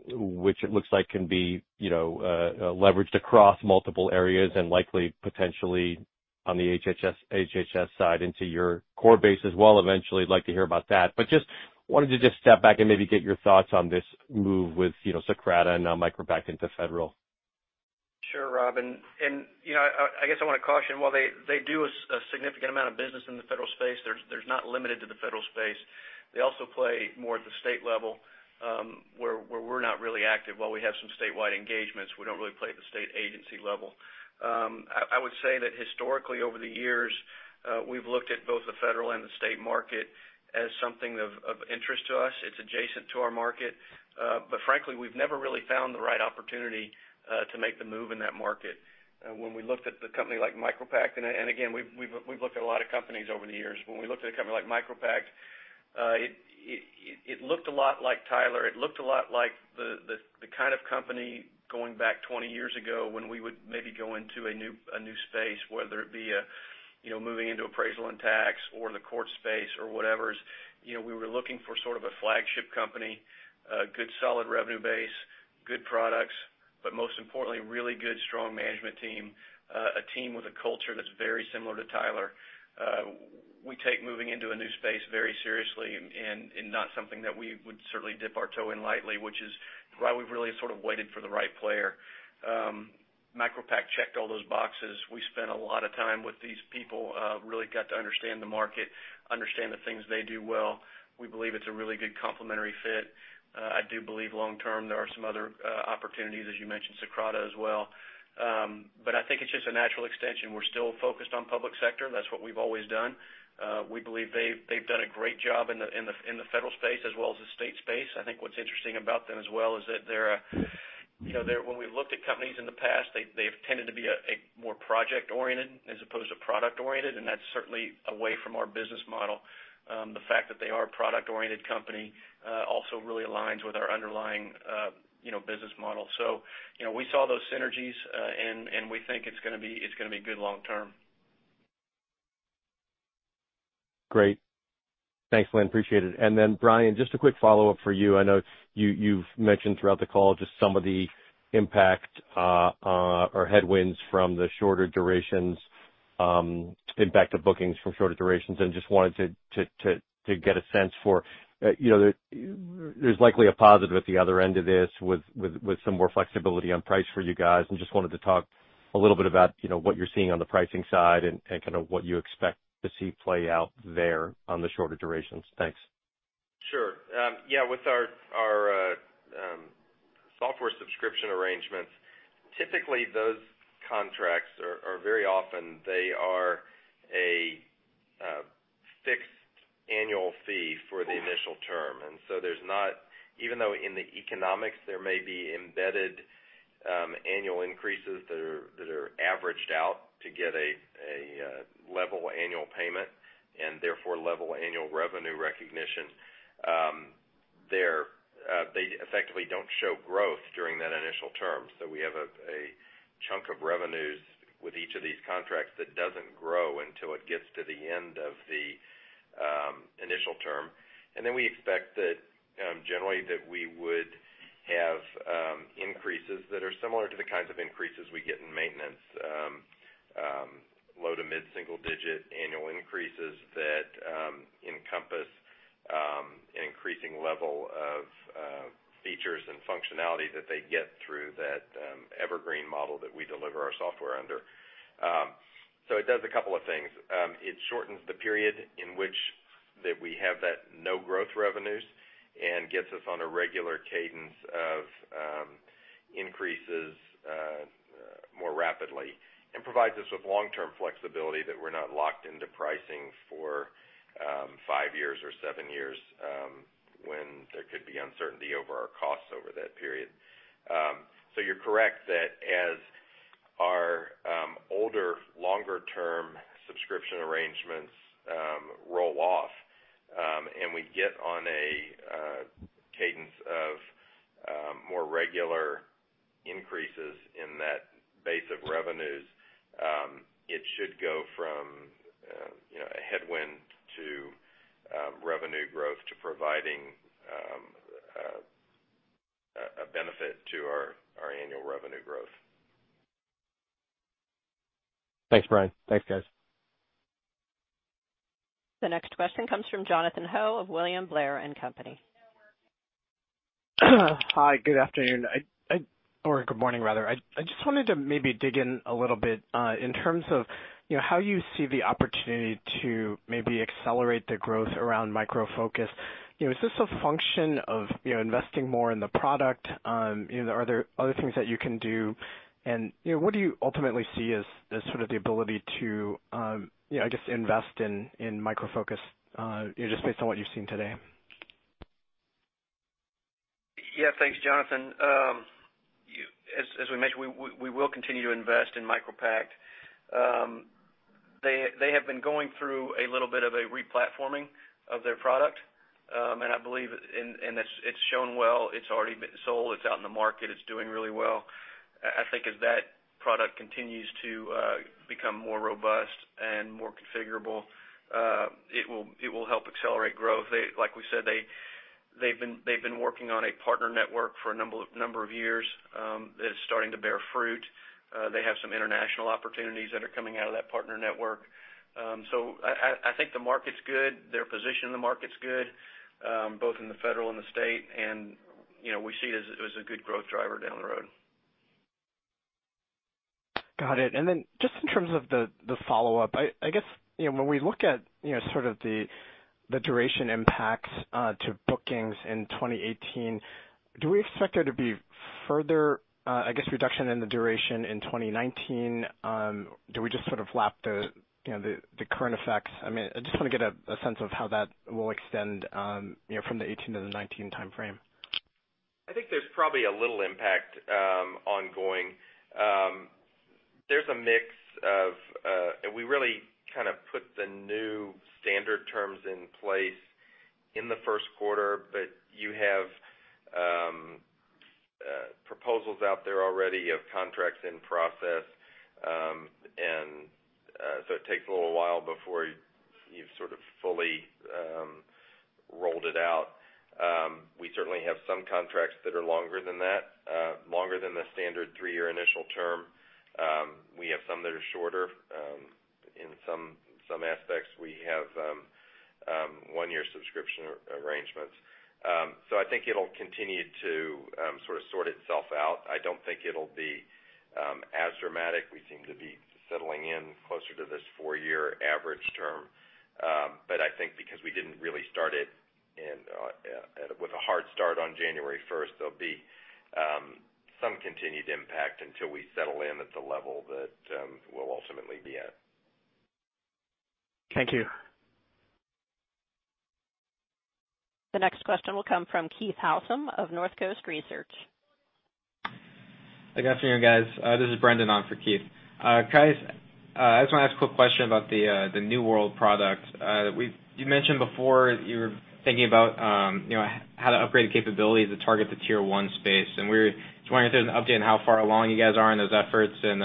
which it looks like can be leveraged across multiple areas and likely, potentially, on the HHS side into your core base as well eventually. I'd like to hear about that. I just wanted to just step back and maybe get your thoughts on this move with Socrata and now MicroPact into federal. Sure, Rob. I guess I want to caution, while they do a significant amount of business in the federal space, they're not limited to the federal space. They also play more at the state level, where we're not really active. While we have some statewide engagements, we don't really play at the state agency level. I would say that historically, over the years, we've looked at both the federal and the state market as something of interest to us. It's adjacent to our market. Frankly, we've never really found the right opportunity to make the move in that market. When we looked at the company like MicroPact, again, we've looked at a lot of companies over the years. When we looked at a company like MicroPact, it looked a lot like Tyler. It looked a lot like the kind of company going back 20 years ago when we would maybe go into a new space, whether it be moving into appraisal and tax or the court space or whatever is. We were looking for sort of a flagship company, a good, solid revenue base, good products, most importantly, a really good, strong management team. A team with a culture that's very similar to Tyler. We take moving into a new space very seriously and not something that we would certainly dip our toe in lightly, which is why we've really sort of waited for the right player. MicroPact checked all those boxes. We spent a lot of time with these people, really got to understand the market, understand the things they do well. We believe it's a really good complementary fit. I do believe long term, there are some other opportunities, as you mentioned, Socrata as well. I think it's just a natural extension. We're still focused on public sector. That's what we've always done. We believe they've done a great job in the federal space as well as the state space. I think what's interesting about them as well is that when we looked at companies in the past, they've tended to be more project-oriented as opposed to product-oriented, that's certainly away from our business model. The fact that they are a product-oriented company also really aligns with our underlying business model. We saw those synergies. We think it's going to be good long term. Great. Thanks, Lynn. Appreciate it. Brian, just a quick follow-up for you. I know you've mentioned throughout the call just some of the impact or headwinds from the shorter durations, impact of bookings from shorter durations, just wanted to get a sense for. There's likely a positive at the other end of this with some more flexibility on price for you guys, just wanted to talk a little bit about what you're seeing on the pricing side and kind of what you expect to see play out there on the shorter durations. Thanks. Sure. Yeah, with our software subscription arrangements, typically those contracts are very often they are a fixed annual fee for the initial term. Even though in the economics, there may be embedded annual increases that are averaged out to get a level annual payment, and therefore level annual revenue recognition, they effectively don't show growth during that initial term. We have a chunk of revenues with each of these contracts that doesn't grow until it gets to the end of the initial term. We expect that generally that we would have increases that are similar to the kinds of increases we get in maintenance. low to mid-single digit annual increases that encompass an increasing level of features and functionality that they get through that evergreen model that we deliver our software under. It does a couple of things. It shortens the period in which that we have that no-growth revenues and gets us on a regular cadence of increases more rapidly and provides us with long-term flexibility that we're not locked into pricing for five years or seven years when there could be uncertainty over our costs over that period. You're correct that as our older, longer-term subscription arrangements roll off and we get on a cadence of more regular increases in that base of revenues, it should go from a headwind to revenue growth to providing a benefit to our annual revenue growth. Thanks, Brian. Thanks, guys. The next question comes from Jonathan Ho of William Blair & Company. Hi, good afternoon. Or good morning rather. I just wanted to maybe dig in a little bit in terms of how you see the opportunity to maybe accelerate the growth around MicroPact. Is this a function of investing more in the product? Are there other things that you can do? What do you ultimately see as sort of the ability to invest in MicroPact just based on what you've seen today? Yeah. Thanks, Jonathan. As we mentioned, we will continue to invest in MicroPact. They have been going through a little bit of a re-platforming of their product, I believe it's shown well. It's already been sold. It's out in the market. It's doing really well. I think as that product continues to become more robust and more configurable, it will help accelerate growth. Like we said, they've been working on a partner network for a number of years that is starting to bear fruit. They have some international opportunities that are coming out of that partner network. I think the market's good, their position in the market's good, both in the federal and the state, we see it as a good growth driver down the road. Got it. Just in terms of the follow-up. I guess when we look at sort of the duration impacts to bookings in 2018, do we expect there to be further, I guess, reduction in the duration in 2019? Do we just sort of lap the current effects? I just want to get a sense of how that will extend from the 2018 to the 2019 timeframe. I think there's probably a little impact ongoing. We really kind of put the new standard terms in place in the first quarter, you have proposals out there already. You have contracts in process. It takes a little while before you've sort of fully rolled it out. We certainly have some contracts that are longer than that, longer than the standard three-year initial term. We have some that are shorter. In some aspects, we have one-year subscription arrangements. I think it'll continue to sort of sort itself out. I don't think it'll be as dramatic. We seem to be settling in closer to this four-year average term. I think because we didn't really start it with a hard start on January 1st, there'll be some continued impact until we settle in at the level that we'll ultimately be at. Thank you. The next question will come from Keith Housum of Northcoast Research. Good afternoon, guys. This is Brendan on for Keith. Guys, I just want to ask a quick question about the New World product. You mentioned before you were thinking about how to upgrade capabilities to target the tier 1 space. We were just wondering if there's an update on how far along you guys are in those efforts and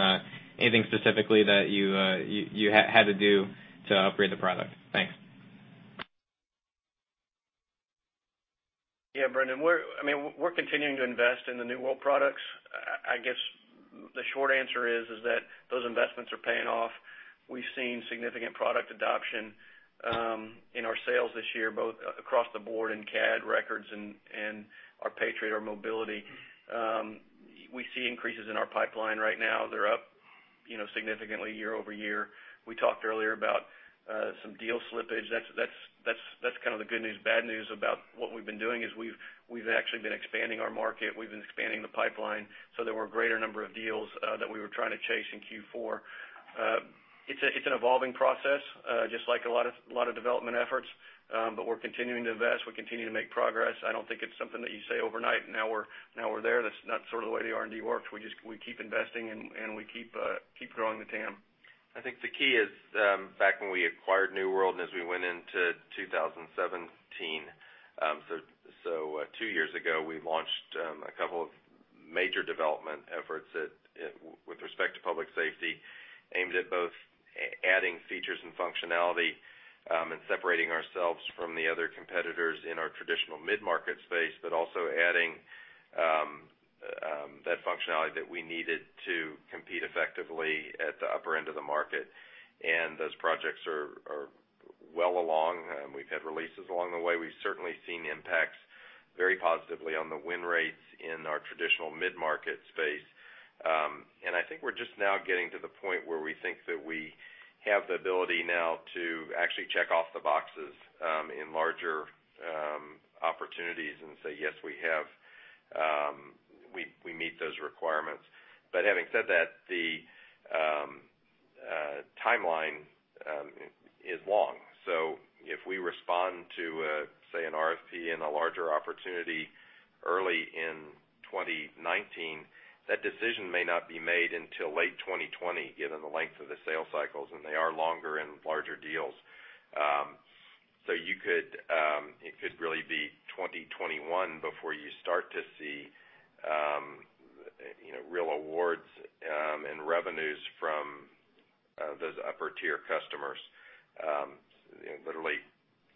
anything specifically that you had to do to upgrade the product. Thanks. Yeah, Brendan. We're continuing to invest in the New World products. I guess the short answer is that those investments are paying off. We've seen significant product adoption in our sales this year, both across the board in CAD Records and our Patriot, our mobility. We see increases in our pipeline right now. They're up significantly year-over-year. We talked earlier about some deal slippage. That's kind of the good news, bad news about what we've been doing, is we've actually been expanding our market. We've been expanding the pipeline. There were a greater number of deals that we were trying to chase in Q4. It's an evolving process, just like a lot of development efforts. We're continuing to invest. We continue to make progress. I don't think it's something that you say overnight, "Now we're there." That's not sort of the way the R&D works. We keep investing, we keep growing the TAM. I think the key is back when we acquired New World and as we went into 2017. Two years ago, we launched a couple of major development efforts with respect to public safety, aimed at both adding features and functionality and separating ourselves from the other competitors in our traditional mid-market space, but also adding that functionality that we needed to compete effectively at the upper end of the market. Those projects are well along. We've had releases along the way. We've certainly seen impacts very positively on the win rates in our traditional mid-market space. I think we're just now getting to the point where we think that we We have the ability now to actually check off the boxes in larger opportunities and say, "Yes, we meet those requirements." Having said that, the timeline is long. If we respond to, say, an RFP and a larger opportunity early in 2019, that decision may not be made until late 2020, given the length of the sales cycles, and they are longer in larger deals. It could really be 2021 before you start to see real awards and revenues from those upper-tier customers. Literally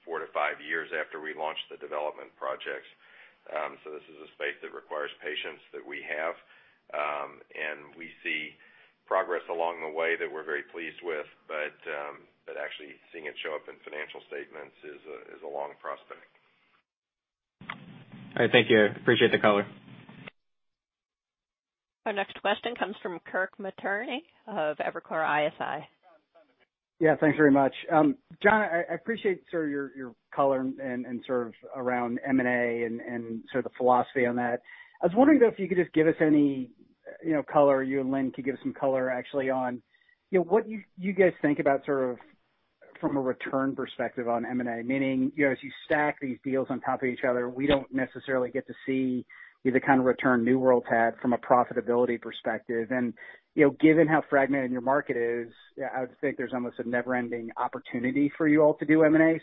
four to five years after we launched the development projects. This is a space that requires patience that we have. We see progress along the way that we're very pleased with. Actually seeing it show up in financial statements is a long prospect. All right. Thank you. I appreciate the color. Our next question comes from Kirk Materne of Evercore ISI. Yeah. Thanks very much. John, I appreciate sort of your color and sort of around M&A and sort of the philosophy on that. I was wondering though, if you could just give us any color, you and Lynn could give some color actually on what you guys think about sort of from a return perspective on M&A, meaning, as you stack these deals on top of each other, we don't necessarily get to see the kind of return New World's had from a profitability perspective. Given how fragmented your market is, I would think there's almost a never-ending opportunity for you all to do M&A.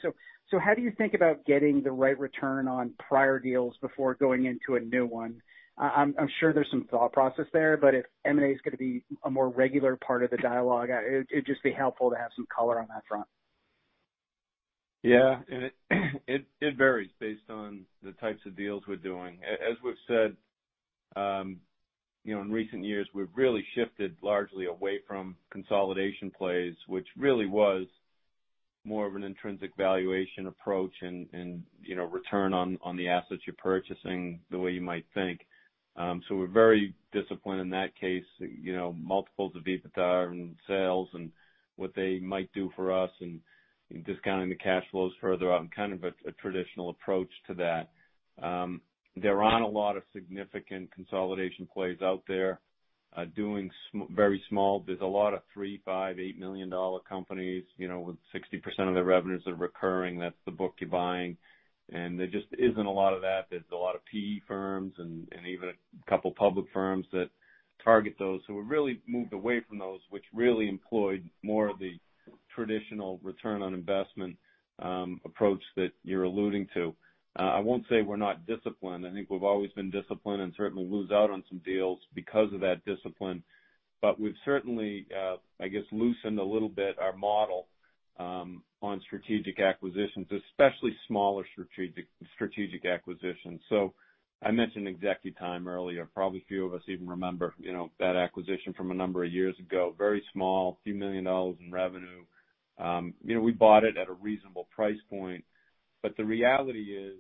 How do you think about getting the right return on prior deals before going into a new one? I'm sure there's some thought process there, but if M&A is going to be a more regular part of the dialogue, it'd just be helpful to have some color on that front. Yeah. It varies based on the types of deals we're doing. As we've said, in recent years, we've really shifted largely away from consolidation plays, which really was more of an intrinsic valuation approach and return on the assets you're purchasing the way you might think. We're very disciplined in that case, multiples of EBITDA and sales and what they might do for us and discounting the cash flows further out and kind of a traditional approach to that. There aren't a lot of significant consolidation plays out there, doing very small. There's a lot of three, five, $8 million companies with 60% of their revenues are recurring. That's the book you're buying. There just isn't a lot of that. There's a lot of PE firms and even a couple public firms that target those. We've really moved away from those which really employed more of the traditional return on investment approach that you're alluding to. I won't say we're not disciplined. I think we've always been disciplined and certainly lose out on some deals because of that discipline. We've certainly, I guess, loosened a little bit our model on strategic acquisitions, especially smaller strategic acquisitions. I mentioned ExecuTime earlier. Probably a few of us even remember that acquisition from a number of years ago. Very small, a few million dollars in revenue. We bought it at a reasonable price point, but the reality is,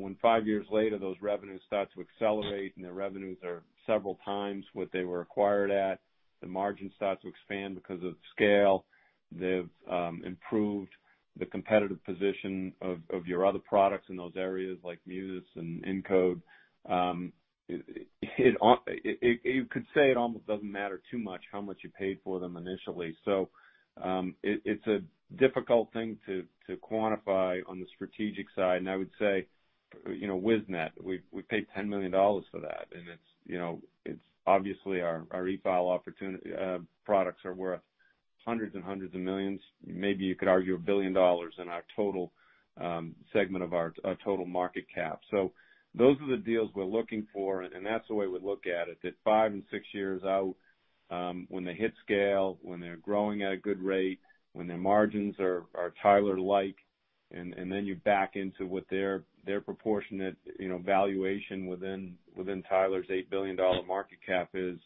when five years later those revenues start to accelerate and the revenues are several times what they were acquired at, the margin starts to expand because of scale. They've improved the competitive position of your other products in those areas like Munis and Incode. You could say it almost doesn't matter too much how much you paid for them initially. It's a difficult thing to quantify on the strategic side. I would say, Wiznet, we paid $10 million for that, and it's obviously our e-file products are worth hundreds and hundreds of millions, maybe you could argue $1 billion in our total segment of our total market cap. Those are the deals we're looking for, and that's the way we look at it, that five and six years out, when they hit scale, when they're growing at a good rate, when their margins are Tyler-like, and then you back into what their proportionate valuation within Tyler's $8 billion market cap is,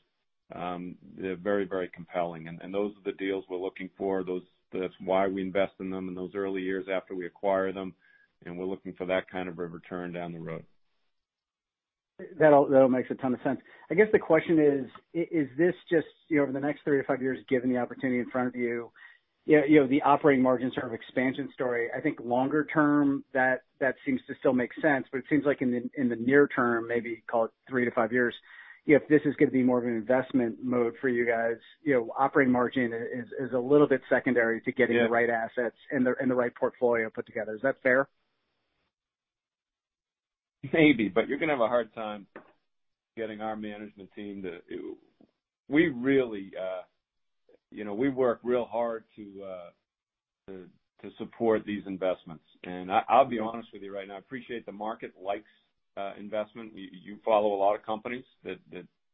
they're very compelling. Those are the deals we're looking for. That's why we invest in them in those early years after we acquire them. We're looking for that kind of return down the road. That all makes a ton of sense. I guess the question is this just over the next three to five years, given the opportunity in front of you, the operating margin sort of expansion story. I think longer term, that seems to still make sense, but it seems like in the near term, maybe call it three to five years, if this is going to be more of an investment mode for you guys, operating margin is a little bit secondary to getting- Yeah the right assets and the right portfolio put together. Is that fair? Maybe, but you're going to have a hard time getting our management team. We work real hard to support these investments, and I'll be honest with you right now, I appreciate the market likes investment. You follow a lot of companies that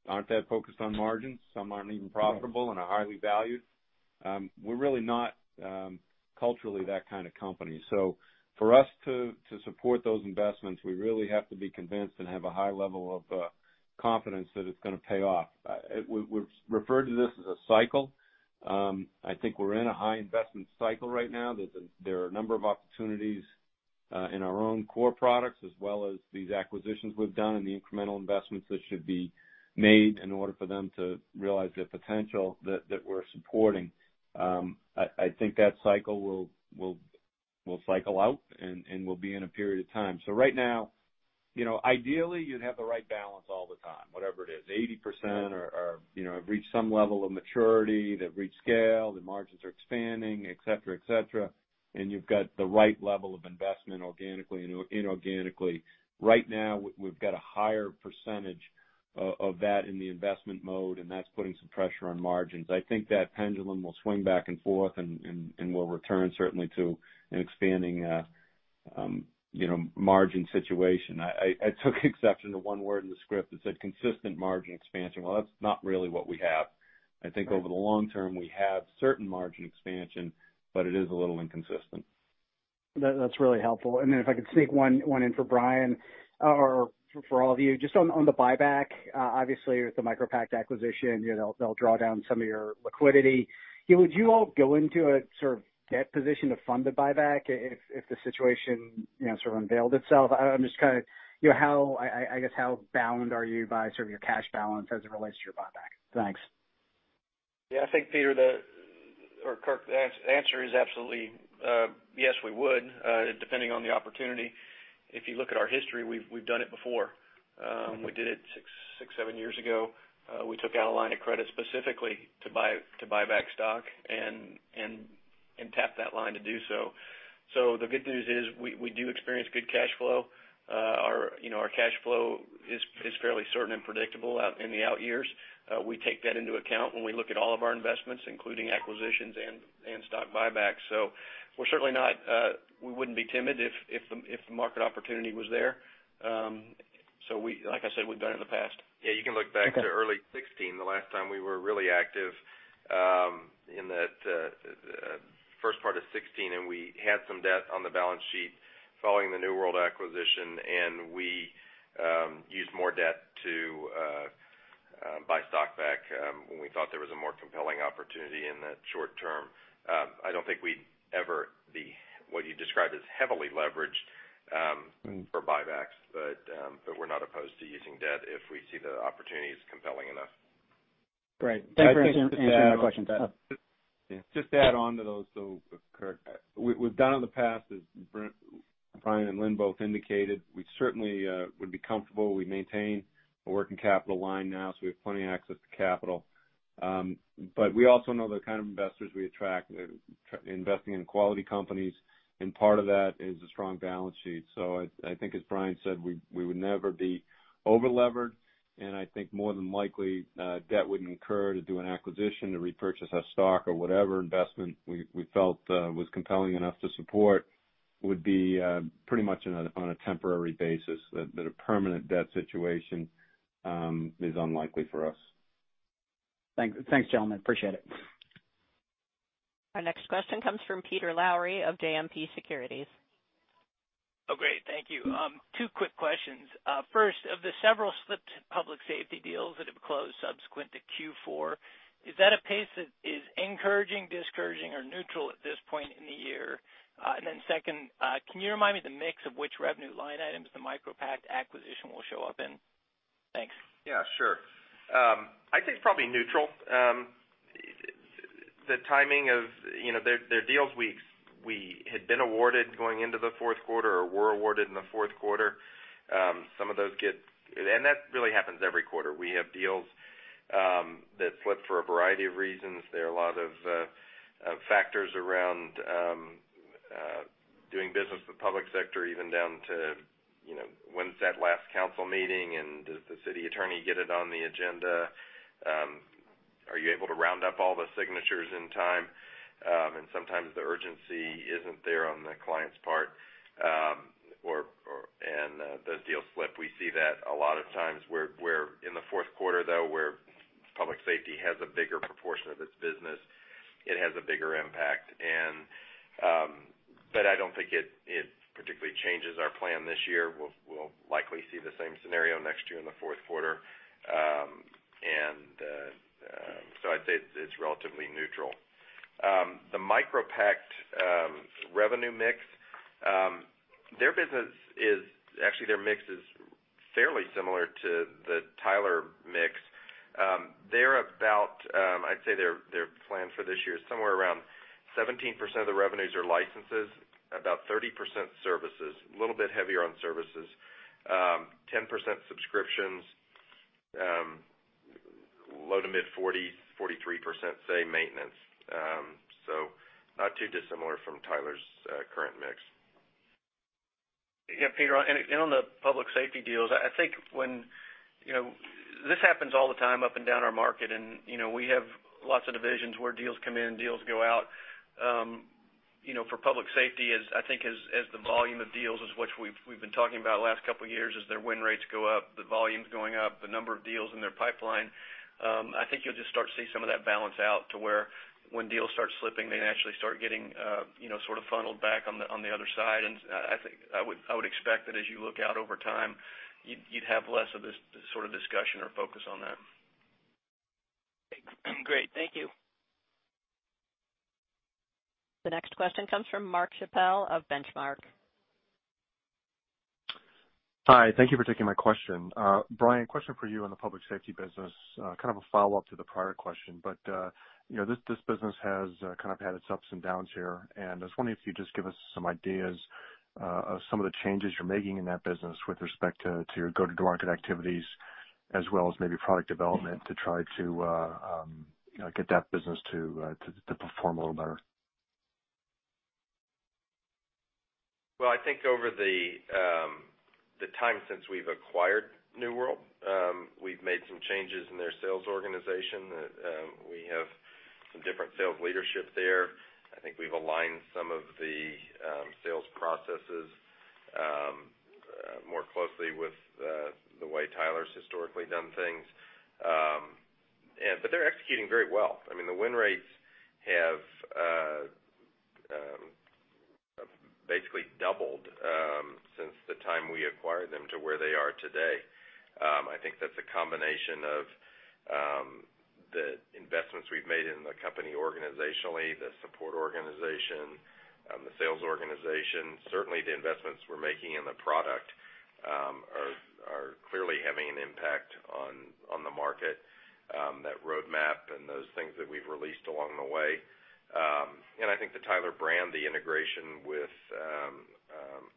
aren't that focused on margins. Some aren't even profitable and are highly valued. We're really not culturally that kind of company. For us to support those investments, we really have to be convinced and have a high level of confidence that it's going to pay off. We refer to this as a cycle. I think we're in a high investment cycle right now. There are a number of opportunities in our own core products, as well as these acquisitions we've done and the incremental investments that should be made in order for them to realize their potential that we're supporting. I think that cycle will cycle out and we'll be in a period of time. Right now, ideally you'd have the right balance all the time, whatever it is, 80% or have reached some level of maturity, they've reached scale, the margins are expanding, et cetera. You've got the right level of investment organically and inorganically. Right now, we've got a higher percentage of that in the investment mode, and that's putting some pressure on margins. I think that pendulum will swing back and forth and will return certainly to an expanding margin situation. I took exception to one word in the script that said consistent margin expansion. Well, that's not really what we have. I think over the long term, we have certain margin expansion, but it is a little inconsistent. That's really helpful. If I could sneak one in for Brian, or for all of you. Just on the buyback, obviously with the MicroPact acquisition, they'll draw down some of your liquidity. Would you all go into a sort of debt position to fund the buyback if the situation sort of unveiled itself? I guess how bound are you by sort of your cash balance as it relates to your buyback? Thanks. Yeah, I think, Peter or Kirk, the answer is absolutely yes, we would, depending on the opportunity. If you look at our history, we've done it before. We did it six, seven years ago. We took out a line of credit specifically to buy back stock and tapped that line to do so. The good news is we do experience good cash flow. Our cash flow is fairly certain and predictable out in the out years. We take that into account when we look at all of our investments, including acquisitions and stock buybacks. We wouldn't be timid if the market opportunity was there. Like I said, we've done it in the past. Yeah, you can look back to early 2016, the last time we were really active in the first part of 2016. We had some debt on the balance sheet following the New World acquisition. We used more debt to buy stock back when we thought there was a more compelling opportunity in the short term. I don't think we'd ever be what you described as heavily leveraged for buybacks, we're not opposed to using debt if we see the opportunity is compelling enough. Great. Thanks for answering my question. Just to add on to those, Kirk, we've done in the past, as Brian and Lynn both indicated. We certainly would be comfortable. We maintain a working capital line now. We have plenty of access to capital. We also know the kind of investors we attract, investing in quality companies, part of that is a strong balance sheet. I think as Brian said, we would never be over-levered. I think more than likely, debt wouldn't incur to do an acquisition to repurchase our stock or whatever investment we felt was compelling enough to support would be pretty much on a temporary basis, a permanent debt situation is unlikely for us. Thanks, gentlemen. Appreciate it. Our next question comes from Peter Lowry of JMP Securities. Oh, great. Thank you. Two quick questions. First, of the several slipped public safety deals that have closed subsequent to Q4, is that a pace that is encouraging, discouraging, or neutral at this point in the year? Second, can you remind me the mix of which revenue line items the MicroPact acquisition will show up in? Thanks. Yeah, sure. I'd say it's probably neutral. They're deals we had been awarded going into the fourth quarter or were awarded in the fourth quarter. That really happens every quarter. We have deals that slip for a variety of reasons. There are a lot of factors around doing business with public sector, even down to when's that last council meeting and does the city attorney get it on the agenda? Are you able to round up all the signatures in time? Sometimes the urgency isn't there on the client's part, and those deals slip. We see that a lot of times, where in the fourth quarter, though, where public safety has a bigger proportion of its business, it has a bigger impact. I don't think it particularly changes our plan this year. We'll likely see the same scenario next year in the fourth quarter. I'd say it's relatively neutral. The MicroPact revenue mix. Actually, their mix is fairly similar to the Tyler mix. I'd say their plan for this year is somewhere around 17% of the revenues are licenses, about 30% services, a little bit heavier on services, 10% subscriptions, low to mid 40s, 43% say maintenance. Not too dissimilar from Tyler's current mix. Peter, on the public safety deals, this happens all the time up and down our market. We have lots of divisions where deals come in, deals go out. For public safety, I think as the volume of deals as which we've been talking about the last couple of years as their win rates go up, the volume's going up, the number of deals in their pipeline. I think you'll just start to see some of that balance out to where when deals start slipping, they naturally start getting sort of funneled back on the other side. I would expect that as you look out over time, you'd have less of this sort of discussion or focus on that. Great. Thank you. The next question comes from Mark Chappell of Benchmark. Hi. Thank you for taking my question. Brian, question for you on the public safety business. Kind of a follow-up to the prior question. This business has kind of had its ups and downs here. I was wondering if you'd just give us some ideas of some of the changes you're making in that business with respect to your go-to-market activities as well as maybe product development to try to get that business to perform a little better. I think over the time since we've acquired New World, we've made some changes in their sales organization. We have some different sales leadership there. I think we've aligned some of the sales processes more closely with the way Tyler's historically done things. They're executing very well. The win rates have basically doubled since the time we acquired them to where they are today. I think that's a combination of the investments we've made in the company organizationally, the support organization, the sales organization. Certainly, the investments we're making in the product are clearly having an impact on the market, that roadmap and those things that we've released along the way. I think the Tyler brand, the integration with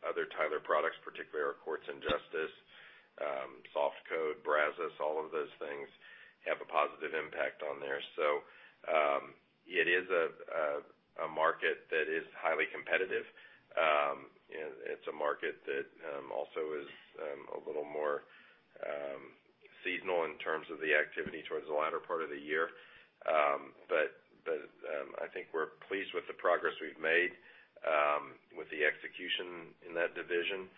other Tyler products, particularly our courts and justice, SoftCode, Brazos, all of those things have a positive impact on there. It is a market that is highly competitive. It's a market that also is a little more seasonal in terms of the activity towards the latter part of the year. I think we're pleased with the progress we've made with the execution in that division.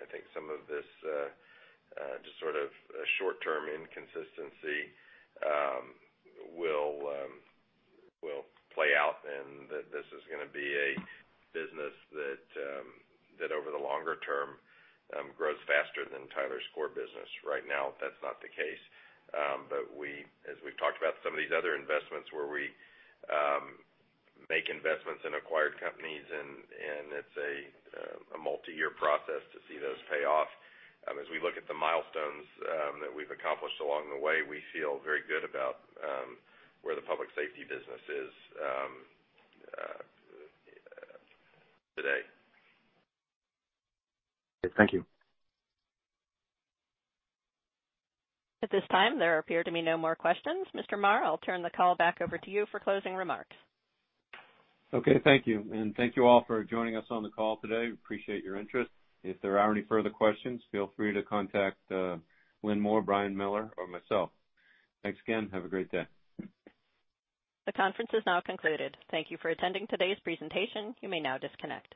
I think some of this just sort of short-term inconsistency will play out and that this is gonna be a business that, over the longer term, grows faster than Tyler's core business. Right now, that's not the case. As we've talked about some of these other investments where we make investments in acquired companies, and it's a multi-year process to see those pay off. As we look at the milestones that we've accomplished along the way, we feel very good about where the public safety business is today. Thank you. At this time, there appear to be no more questions. Mr. Marr, I'll turn the call back over to you for closing remarks. Thank you. Thank you all for joining us on the call today. Appreciate your interest. If there are any further questions, feel free to contact Lynn Moore, Brian Miller, or myself. Thanks again. Have a great day. The conference is now concluded. Thank you for attending today's presentation. You may now disconnect.